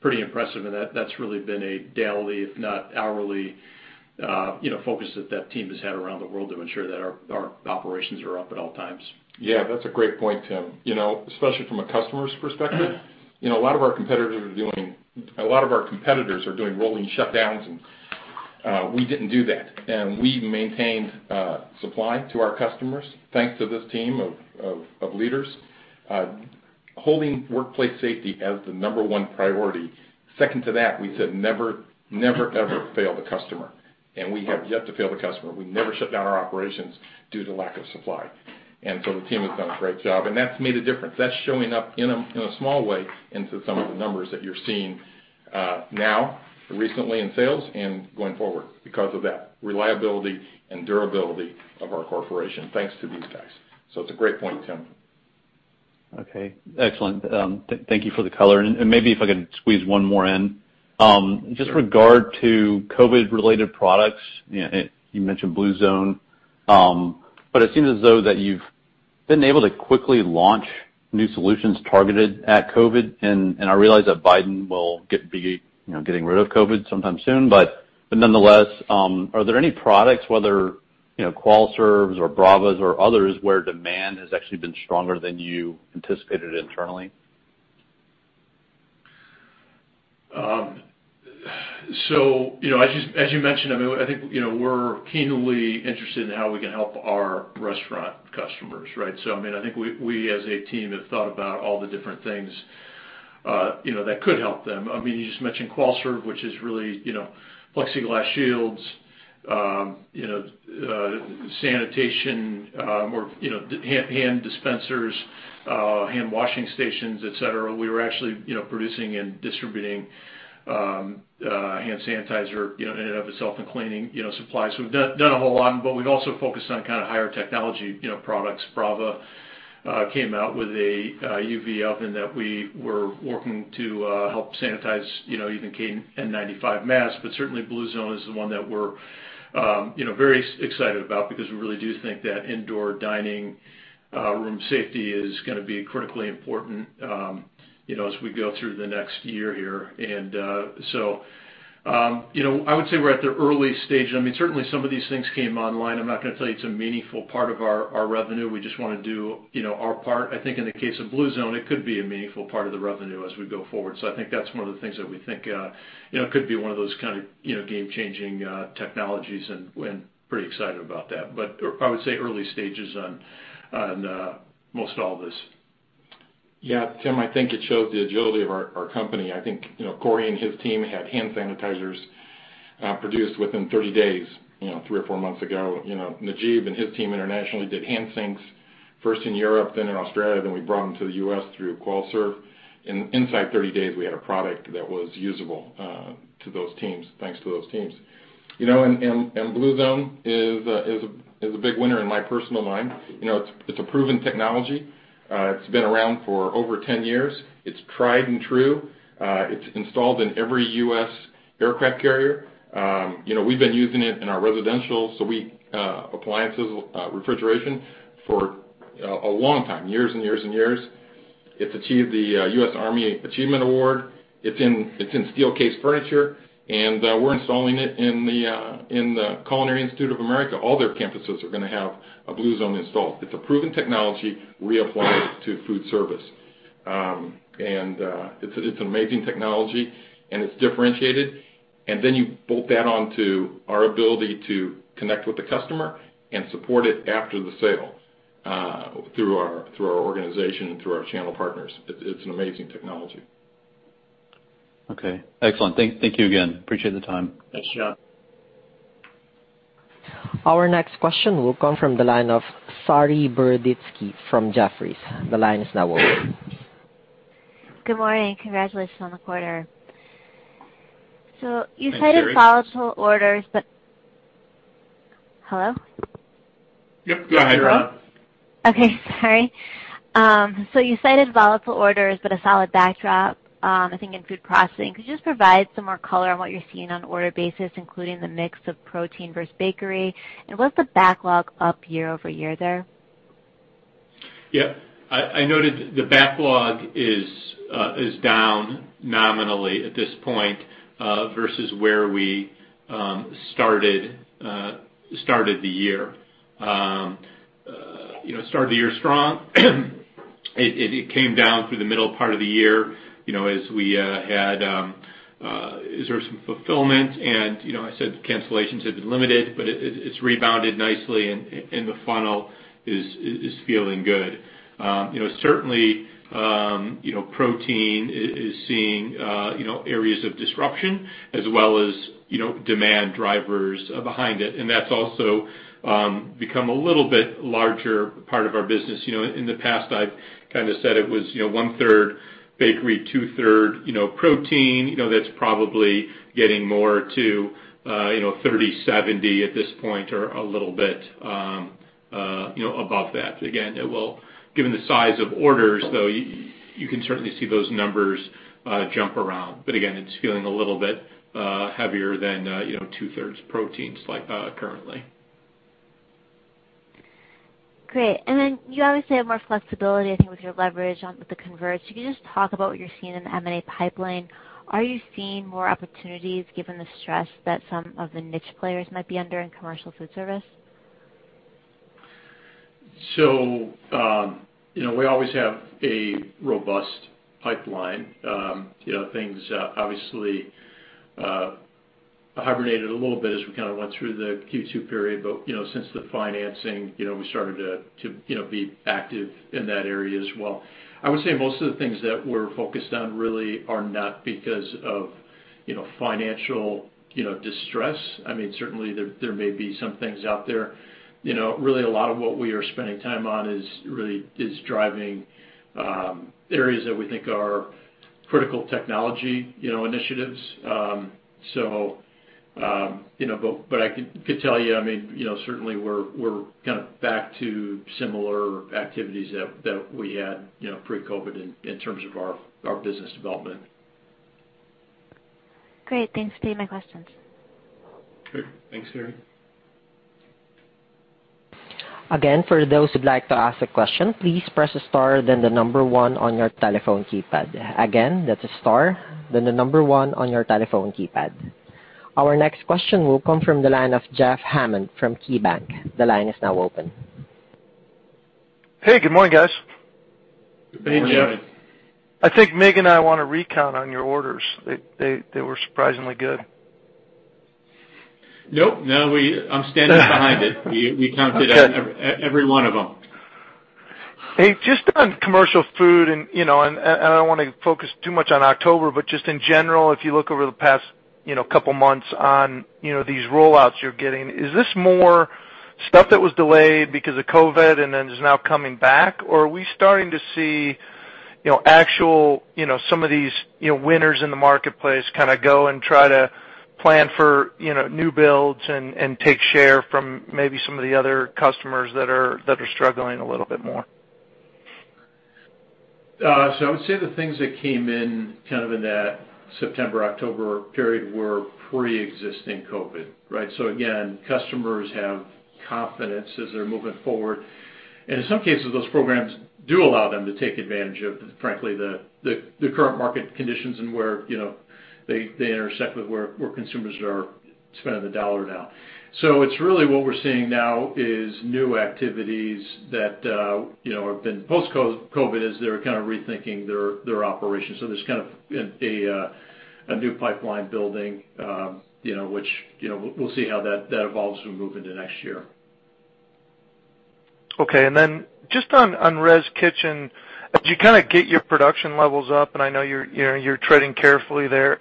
pretty impressive. That's really been a daily, if not hourly, focus that team has had around the world to ensure that our operations are up at all times. Yeah, that's a great point, Tim. Especially from a customer's perspective, a lot of our competitors are doing rolling shutdowns, and we didn't do that. We maintained supply to our customers, thanks to this team of leaders, holding workplace safety as the number one priority. Second to that, we said never ever fail the customer. We have yet to fail the customer. We never shut down our operations due to lack of supply. The team has done a great job, and that's made a difference. That's showing up in a small way into some of the numbers that you're seeing now, recently in sales and going forward because of that reliability and durability of our corporation. Thanks to these guys. It's a great point, Tim. Okay. Excellent. Thank you for the color. Maybe if I can squeeze one more in. Sure. Just regard to COVID-related products, you mentioned Bluezone. It seems as though that you've been able to quickly launch new solutions targeted at COVID, and I realize that Biden will be getting rid of COVID sometime soon, but nonetheless, are there any products, whether QualServ or Brava or others, where demand has actually been stronger than you anticipated internally? As you mentioned, I think we're keenly interested in how we can help our restaurant customers, right? I think we as a team have thought about all the different things that could help them. You just mentioned QualServ, which is really plexiglass shields, sanitation, hand dispensers, hand washing stations, et cetera. We were actually producing and distributing hand sanitizer in and of itself and cleaning supplies. We've done a whole lot, but we've also focused on kind of higher technology products. Brava came out with a UV oven that we were working to help sanitize even N95 masks, but certainly Bluezone is the one that we're very excited about because we really do think that indoor dining room safety is going to be critically important as we go through the next year here. I would say we're at the early stage. Certainly, some of these things came online. I'm not going to tell you it's a meaningful part of our revenue. We just want to do our part. I think in the case of Bluezone, it could be a meaningful part of the revenue as we go forward. I think that's one of the things that we think could be one of those kind of game-changing technologies, and we're pretty excited about that. I would say early stages on most all this. Yeah, Tim, I think it shows the agility of our company. I think Korey and his team had hand sanitizers produced within 30 days, three or four months ago. Najib and his team internationally did hand sinks first in Europe, then in Australia, then we brought them to the U.S. through QualServ. Inside 30 days, we had a product that was usable to those teams, thanks to those teams. Bluezone is a big winner in my personal mind. It's a proven technology. It's been around for over 10 years. It's tried and true. It's installed in every U.S. aircraft carrier. We've been using it in our Residential, so we—appliances, refrigeration for a long time, years and years and years. It's achieved the U.S. Army Achievement Medal. It's in Steelcase furniture, and we're installing it in The Culinary Institute of America. All their campuses are going to have a Bluezone installed. It's a proven technology reapplied to Foodservice. It's an amazing technology, and it's differentiated, and then you bolt that onto our ability to connect with the customer and support it after the sale through our organization and through our channel partners. It's an amazing technology. Okay. Excellent. Thank you again. Appreciate the time. Thanks, John. Our next question will come from the line of Saree Boroditsky from Jefferies. The line is now open. Good morning. Congratulations on the quarter. Thanks, Saree. You cited volatile orders, but Hello? Yep. Go ahead. You're on. Okay, sorry. You cited volatile orders, but a solid backdrop, I think in Food Processing. Could you just provide some more color on what you're seeing on order basis, including the mix of protein versus bakery, and what's the backlog up year-over-year there? Yeah. I noted the backlog is down nominally at this point, versus where we started the year. Started the year strong. It came down through the middle part of the year as we had sort of some fulfillment and, I said the cancellations have been limited, but it's rebounded nicely and the funnel is feeling good. Certainly, protein is seeing areas of disruption as well as demand drivers behind it. That's also become a little bit larger part of our business. In the past, I've kind of said it was 1/3 bakery, 2/3 protein. That's probably getting more to 30/70 at this point or a little bit above that. Given the size of orders, though, you can certainly see those numbers jump around. Again, it's feeling a little bit heavier than 2/3 proteins currently. Great. You obviously have more flexibility, I think, with your leverage on the converts. Can you just talk about what you're seeing in the M&A pipeline? Are you seeing more opportunities given the stress that some of the niche players might be under in Commercial Foodservice? We always have a robust pipeline. Things obviously hibernated a little bit as we kind of went through the Q2 period. Since the financing, we started to be active in that area as well. I would say most of the things that we're focused on really are not because of financial distress. Certainly, there may be some things out there. Really a lot of what we are spending time on is driving areas that we think are critical technology initiatives. I could tell you, certainly, we're kind of back to similar activities that we had pre-COVID in terms of our business development. Great. Thanks for taking my questions. Great. Thanks, Saree. Again, for those who'd like to ask a question, please press star then the number one on your telephone keypad. Again, that's star then the number one on your telephone keypad. Our next question will come from the line of Jeff Hammond from KeyBanc. The line is now open. Hey, good morning, guys. Good morning, Jeff. Good morning. I think Mig and I want a recount on your orders. They were surprisingly good. Nope. No, I'm standing behind it. Okay. We counted every one of them. Hey, just on Commercial Food, I don't want to focus too much on October, but just in general, if you look over the past couple of months on these rollouts you're getting, is this more stuff that was delayed because of COVID and then is now coming back, or are we starting to see some of these winners in the marketplace kind of go and try to plan for new builds and take share from maybe some of the other customers that are struggling a little bit more? I would say the things that came in kind of in that September-October period were preexisting COVID, right? Again, customers have confidence as they're moving forward. In some cases, those programs do allow them to take advantage of, frankly, the current market conditions and where they intersect with where consumers are spending the dollar now. Really what we're seeing now is new activities that have been post-COVID as they're kind of rethinking their operations. There's kind of a new pipeline building, which we'll see how that evolves as we move into next year. Okay, just on Res Kitchen, as you kind of get your production levels up, and I know you're treading carefully there,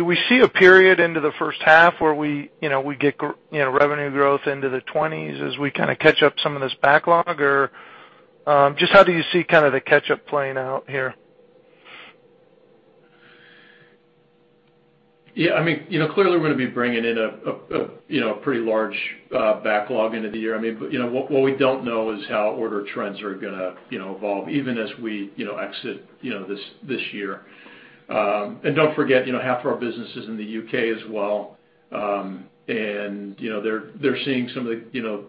do we see a period into the first half where we get revenue growth into the 20s as we kind of catch up some of this backlog? Just how do you see kind of the catch-up playing out here? Yeah. Clearly, we're going to be bringing in a pretty large backlog into the year. What we don't know is how order trends are going to evolve, even as we exit this year. Don't forget, half of our business is in the U.K. as well. They're seeing some of the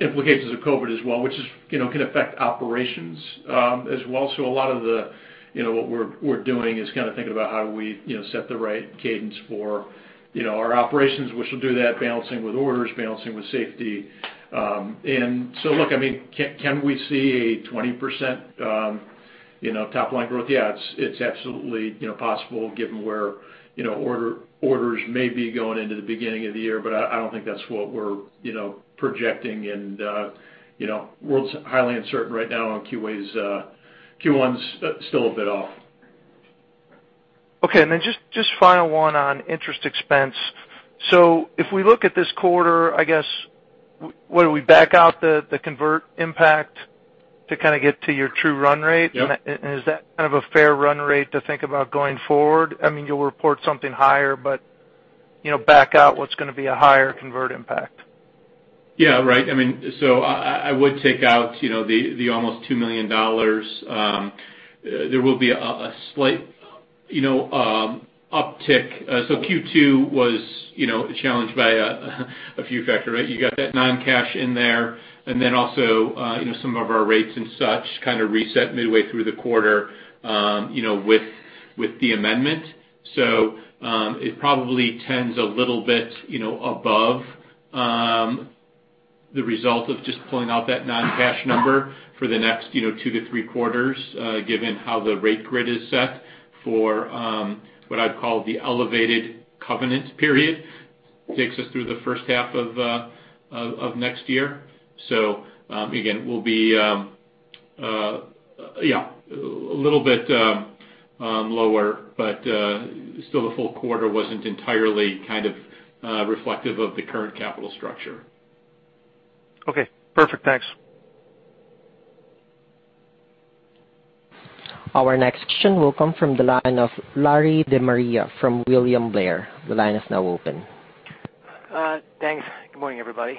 implications of COVID as well, which can affect operations as well. A lot of what we're doing is kind of thinking about how we set the right cadence for our operations, which will do that balancing with orders, balancing with safety. Look, can we see a 20% top-line growth? Yeah. It's absolutely possible given where orders may be going into the beginning of the year, I don't think that's what we're projecting, the world's highly uncertain right now on Q1's still a bit off. Okay. Just final one on interest expense. If we look at this quarter, I guess, what, do we back out the convert impact to kind of get to your true run rate? Yep. Is that kind of a fair run rate to think about going forward? You'll report something higher, but back out what's going to be a higher convert impact. Yeah, right. I would take out the almost $2 million. There will be a slight uptick. Q2 was challenged by a few factors, right? You got that non-cash in there, and then also some of our rates and such kind of reset midway through the quarter with the amendment. It probably tends a little bit above the result of just pulling out that non-cash number for the next two to three quarters, given how the rate grid is set for what I'd call the elevated covenant period. Takes us through the first half of next year. Again, we'll be a little bit lower, but still the full quarter wasn't entirely reflective of the current capital structure. Okay, perfect. Thanks. Our next question will come from the line of Larry De Maria from William Blair. The line is now open. Thanks. Good morning, everybody.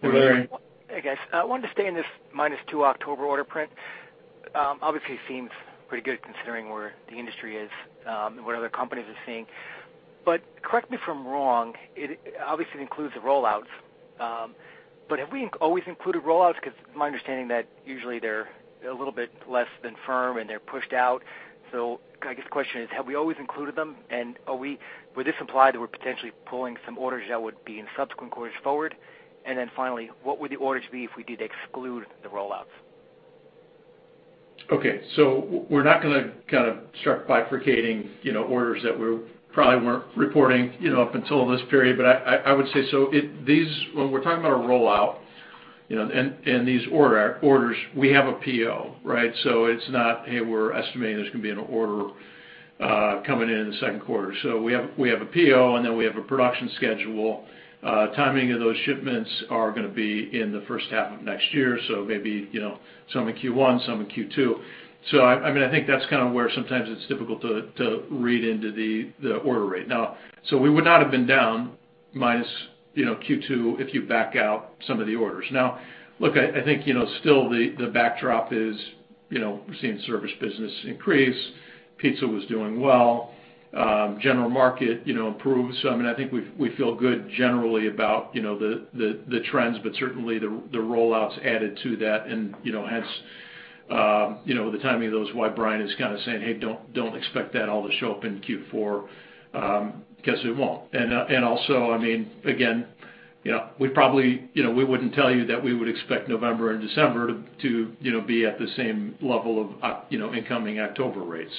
Good morning. Hey, guys. I wanted to stay in this [2%] October order print. Seems pretty good considering where the industry is and what other companies are seeing. Correct me if I'm wrong, it obviously includes the rollouts, but have we always included rollouts? It's my understanding that usually they're a little bit less than firm and they're pushed out. I guess the question is, have we always included them? Would this imply that we're potentially pulling some orders that would be in subsequent quarters forward? Finally, what would the orders be if we did exclude the rollouts? Okay. We're not going to kind of start bifurcating orders that we probably weren't reporting up until this period. I would say, when we're talking about a rollout, and these orders, we have a PO, right? It's not, hey, we're estimating there's going to be an order coming in the second quarter. We have a PO and we have a production schedule. Timing of those shipments are going to be in the first half of next year. Maybe some in Q1, some in Q2. I think that's kind of where sometimes it's difficult to read into the order rate. Now, we would not have been down minus Q2 if you back out some of the orders. Now, look, I think still the backdrop is we're seeing Service business increase. Pizza was doing well. General market improves. I think we feel good generally about the trends, but certainly the rollouts added to that and hence, the timing of those, why Bryan is kind of saying, "Hey, don't expect that all to show up in Q4," because it won't. Also, again, we wouldn't tell you that we would expect November and December to be at the same level of incoming October rates.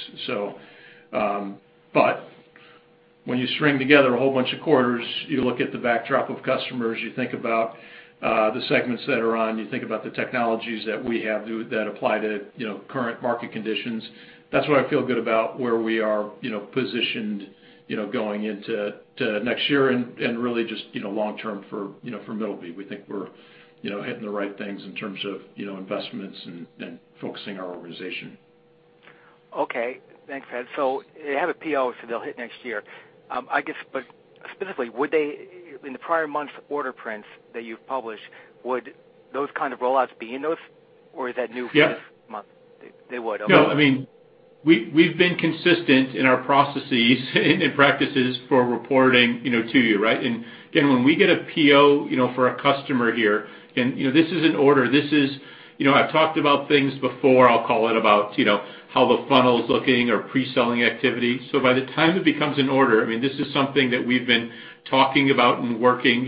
When you string together a whole bunch of quarters, you look at the backdrop of customers, you think about the segments that are on, you think about the technologies that we have that apply to current market conditions. That's why I feel good about where we are positioned going into next year and really just long-term for Middleby. We think we're hitting the right things in terms of investments and focusing our organization. Okay. Thanks, Tim. They have a PO, so they'll hit next year. I guess, specifically, would they, in the prior months order prints that you've published, would those kind of rollouts be in those? Yeah. Or for this month? They would. Okay. No, we've been consistent in our processes and practices for reporting to you, right? Again, when we get a PO for a customer here, and this is an order. I've talked about things before, I'll call it about how the funnel's looking or pre-selling activity. By the time it becomes an order, this is something that we've been talking about and working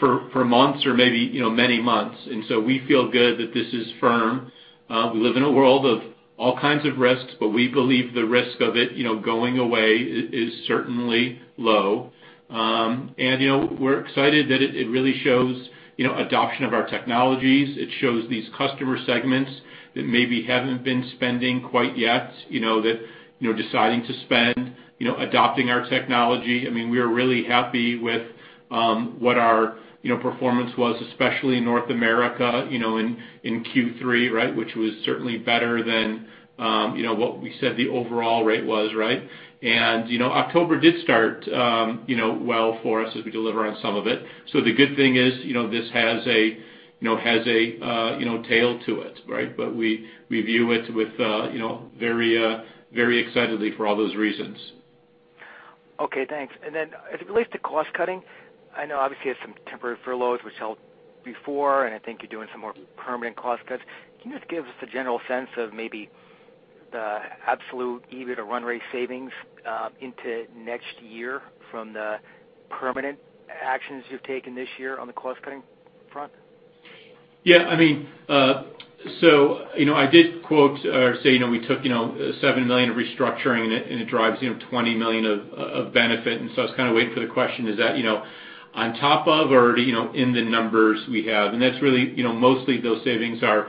for months or maybe many months. We feel good that this is firm. We live in a world of all kinds of risks, but we believe the risk of it going away is certainly low. We're excited that it really shows adoption of our technologies. It shows these customer segments that maybe haven't been spending quite yet, deciding to spend, adopting our technology. We are really happy with what our performance was, especially in North America in Q3, right? Which was certainly better than what we said the overall rate was, right? October did start well for us as we deliver on some of it. The good thing is, this has a tail to it, right? We view it very excitedly for all those reasons. Okay, thanks. As it relates to cost cutting, I know obviously you had some temporary furloughs, which helped before, and I think you're doing some more permanent cost cuts. Can you just give us a general sense of maybe the absolute EBITDA run rate savings into next year from the permanent actions you've taken this year on the cost-cutting front? Yeah. I did quote or say we took $7 million of restructuring and it drives $20 million of benefit. I was kind of waiting for the question, is that on top of or in the numbers we have. That's really, mostly those savings are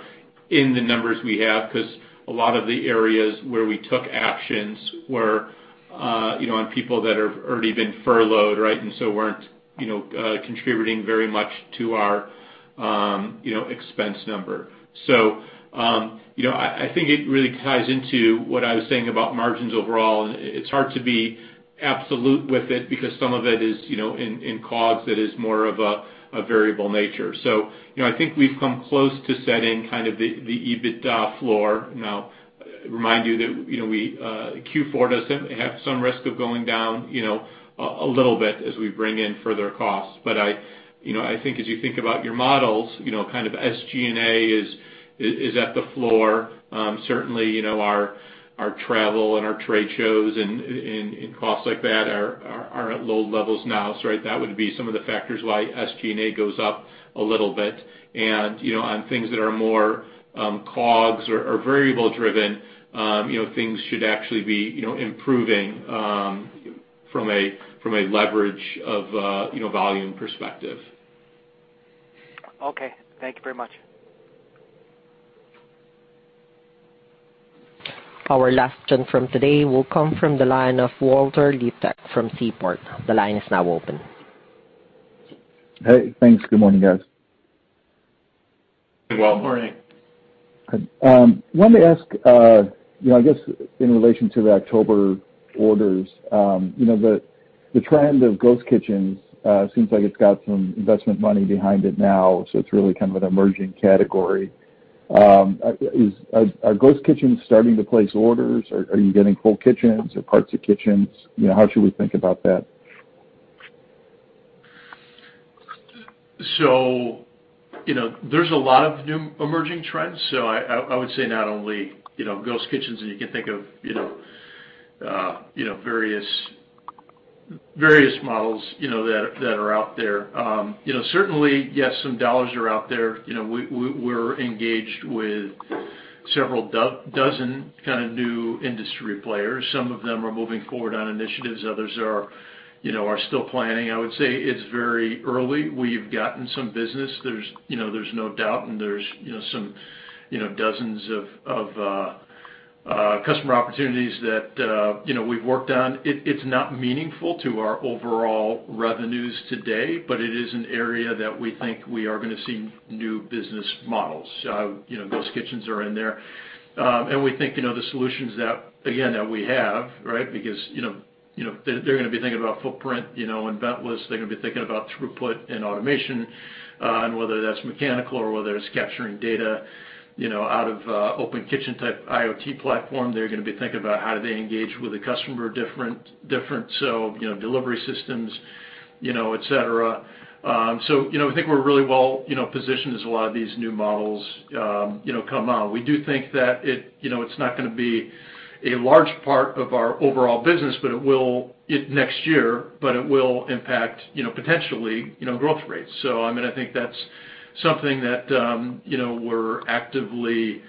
in the numbers we have because a lot of the areas where we took actions were on people that have already been furloughed, right? Weren't contributing very much to our expense number. I think it really ties into what I was saying about margins overall. It's hard to be absolute with it because some of it is in COGS that is more of a variable nature. I think we've come close to setting kind of the EBITDA floor. Now remind you that Q4 does have some risk of going down a little bit as we bring in further costs. I think as you think about your models, kind of SG&A is at the floor. Certainly, our travel and our trade shows and costs like that are at low levels now. That would be some of the factors why SG&A goes up a little bit. On things that are more COGS or variable driven, things should actually be improving from a leverage of volume perspective. Okay. Thank you very much. Our last question from today will come from the line of Walter Liptak from Seaport. The line is now open. Hey, thanks. Good morning, guys. Hi, Walt. Good morning. I wanted to ask, I guess in relation to the October orders, the trend of ghost kitchens seems like it's got some investment money behind it now, so it's really kind of an emerging category. Are ghost kitchens starting to place orders? Are you getting whole kitchens or parts of kitchens? How should we think about that? There's a lot of new emerging trends. I would say not only ghost kitchens, and you can think of various models that are out there. Certainly, yes, some dollars are out there. We're engaged with several dozen kind of new industry players. Some of them are moving forward on initiatives, others are still planning. I would say it's very early. We've gotten some business. There's no doubt, and there's some dozens of customer opportunities that we've worked on. It's not meaningful to our overall revenues today, but it is an area that we think we are going to see new business models. Ghost kitchens are in there. We think the solutions, again, that we have, because they're going to be thinking about footprint and ventless. They're going to be thinking about throughput and automation, whether that's mechanical or whether it's capturing data, out of Open Kitchen type IoT platform. They're going to be thinking about how do they engage with a customer different. Delivery systems, et cetera. I think we're really well-positioned as a lot of these new models come out. We do think that it's not going to be a large part of our overall business next year, but it will impact potentially growth rates. I think that's something that we're actively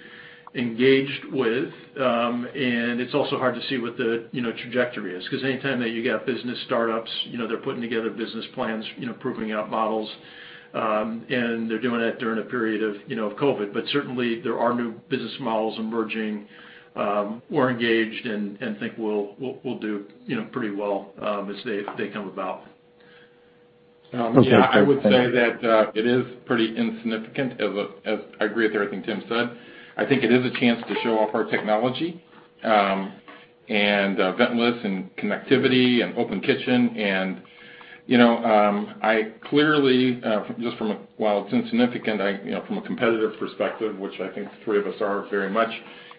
engaged with. It's also hard to see what the trajectory is, because anytime that you got business startups, they're putting together business plans, proving out models. They're doing it during a period of COVID. Certainly, there are new business models emerging. We're engaged and think we'll do pretty well as they come about. Okay. Great. Thanks. Yeah, I would say that it is pretty insignificant. I agree with everything Tim said. I think it is a chance to show off our technology, ventless and connectivity and Open Kitchen. I clearly, while it's insignificant, from a competitive perspective, which I think the three of us are very much.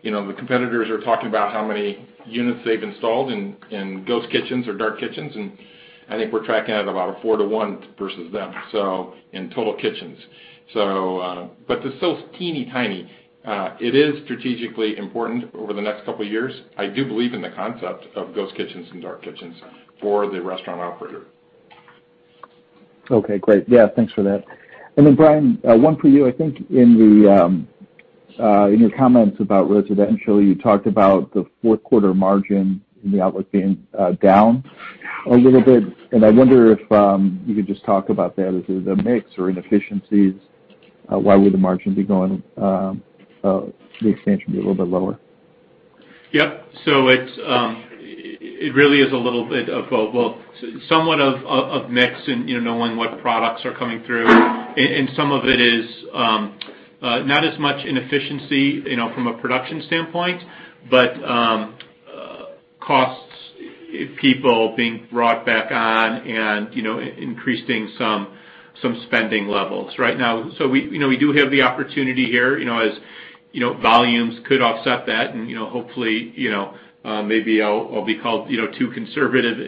The competitors are talking about how many units they've installed in ghost kitchens or dark kitchens, and I think we're tracking at about a four to one versus them in total kitchens. They're still teeny-tiny. It is strategically important over the next couple of years. I do believe in the concept of ghost kitchens and dark kitchens for the restaurant operator. Okay, great. Yeah, thanks for that. Bryan, one for you. I think in your comments about Residentially, you talked about the fourth quarter margin and the outlook being down a little bit. I wonder if you could just talk about that. Is it a mix or inefficiencies? The expectation be a little bit lower? Yep. It really is a little bit of, well, somewhat of mix in knowing what products are coming through. Some of it is not as much inefficiency from a production standpoint, but costs of people being brought back on and increasing some spending levels. We do have the opportunity here, as volumes could offset that, and hopefully, maybe I'll be called too conservative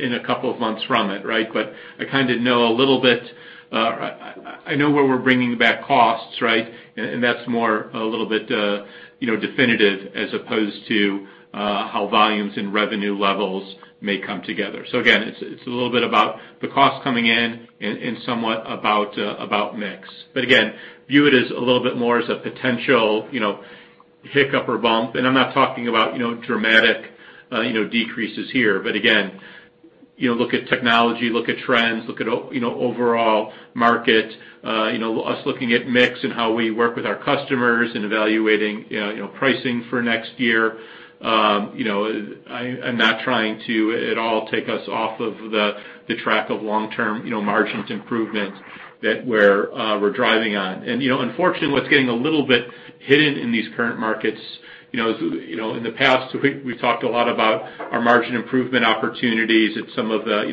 in a couple of months from it. I kind of know a little bit. I know where we're bringing back costs. That's more a little bit definitive as opposed to how volumes and revenue levels may come together. Again, it's a little bit about the cost coming in and somewhat about mix. Again, view it as a little bit more as a potential hiccup or bump. I'm not talking about dramatic decreases here. Again, look at technology, look at trends, look at overall market. Us looking at mix and how we work with our customers and evaluating pricing for next year. I'm not trying to at all take us off of the track of long-term margin improvement that we're driving on. Unfortunately, what's getting a little bit hidden in these current markets, in the past, we've talked a lot about our margin improvement opportunities at some of the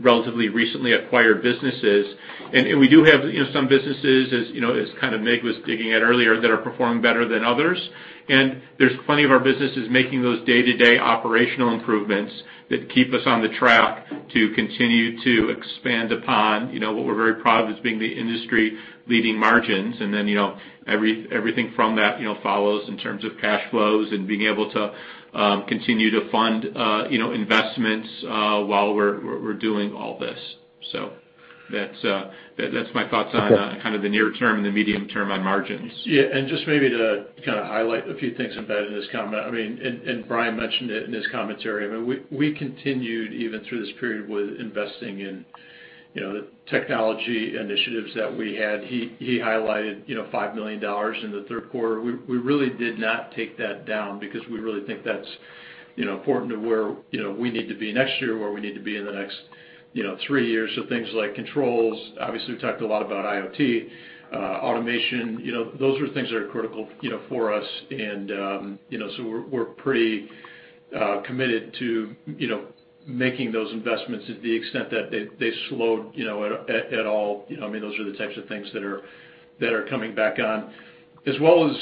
relatively recently acquired businesses. We do have some businesses, as kind of Mig was digging at earlier, that are performing better than others. There's plenty of our businesses making those day-to-day operational improvements that keep us on the track to continue to expand upon what we're very proud of as being the industry leading margins. Everything from that follows in terms of cash flows and being able to continue to fund investments, while we're doing all this. That's my thoughts on kind of the near term and the medium term on margins. Yeah. Just maybe to kind of highlight a few things embedded in this comment, Bryan mentioned it in his commentary, we continued even through this period with investing in the technology initiatives that we had. He highlighted $5 million in the third quarter. We really did not take that down because we really think that's important to where we need to be next year, where we need to be in the next three years. Things like controls, obviously, we've talked a lot about IoT, automation. Those are things that are critical for us, and so we're pretty committed to making those investments to the extent that they slowed at all. Those are the types of things that are coming back on. As well as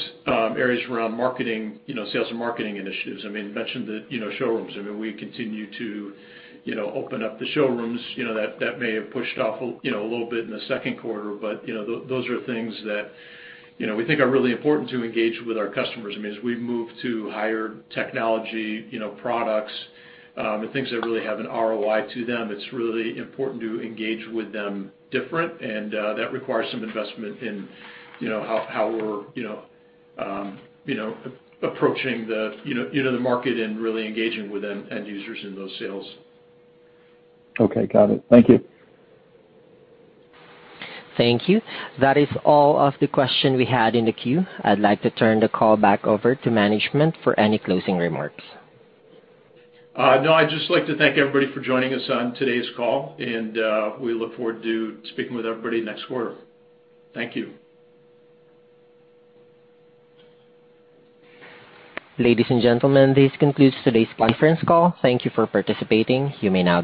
areas around marketing, sales and marketing initiatives. Mentioned the showrooms. We continue to open up the showrooms. That may have pushed off a little bit in the second quarter, but those are things that we think are really important to engage with our customers. As we move to higher technology products, and things that really have an ROI to them, it's really important to engage with them different, and that requires some investment in how we're approaching the market and really engaging with end users in those sales. Okay. Got it. Thank you. Thank you. That is all of the question we had in the queue. I'd like to turn the call back over to management for any closing remarks. No, I'd just like to thank everybody for joining us on today's call. We look forward to speaking with everybody next quarter. Thank you. Ladies and gentlemen, this concludes today's conference call. Thank you for participating. You may now disconnect.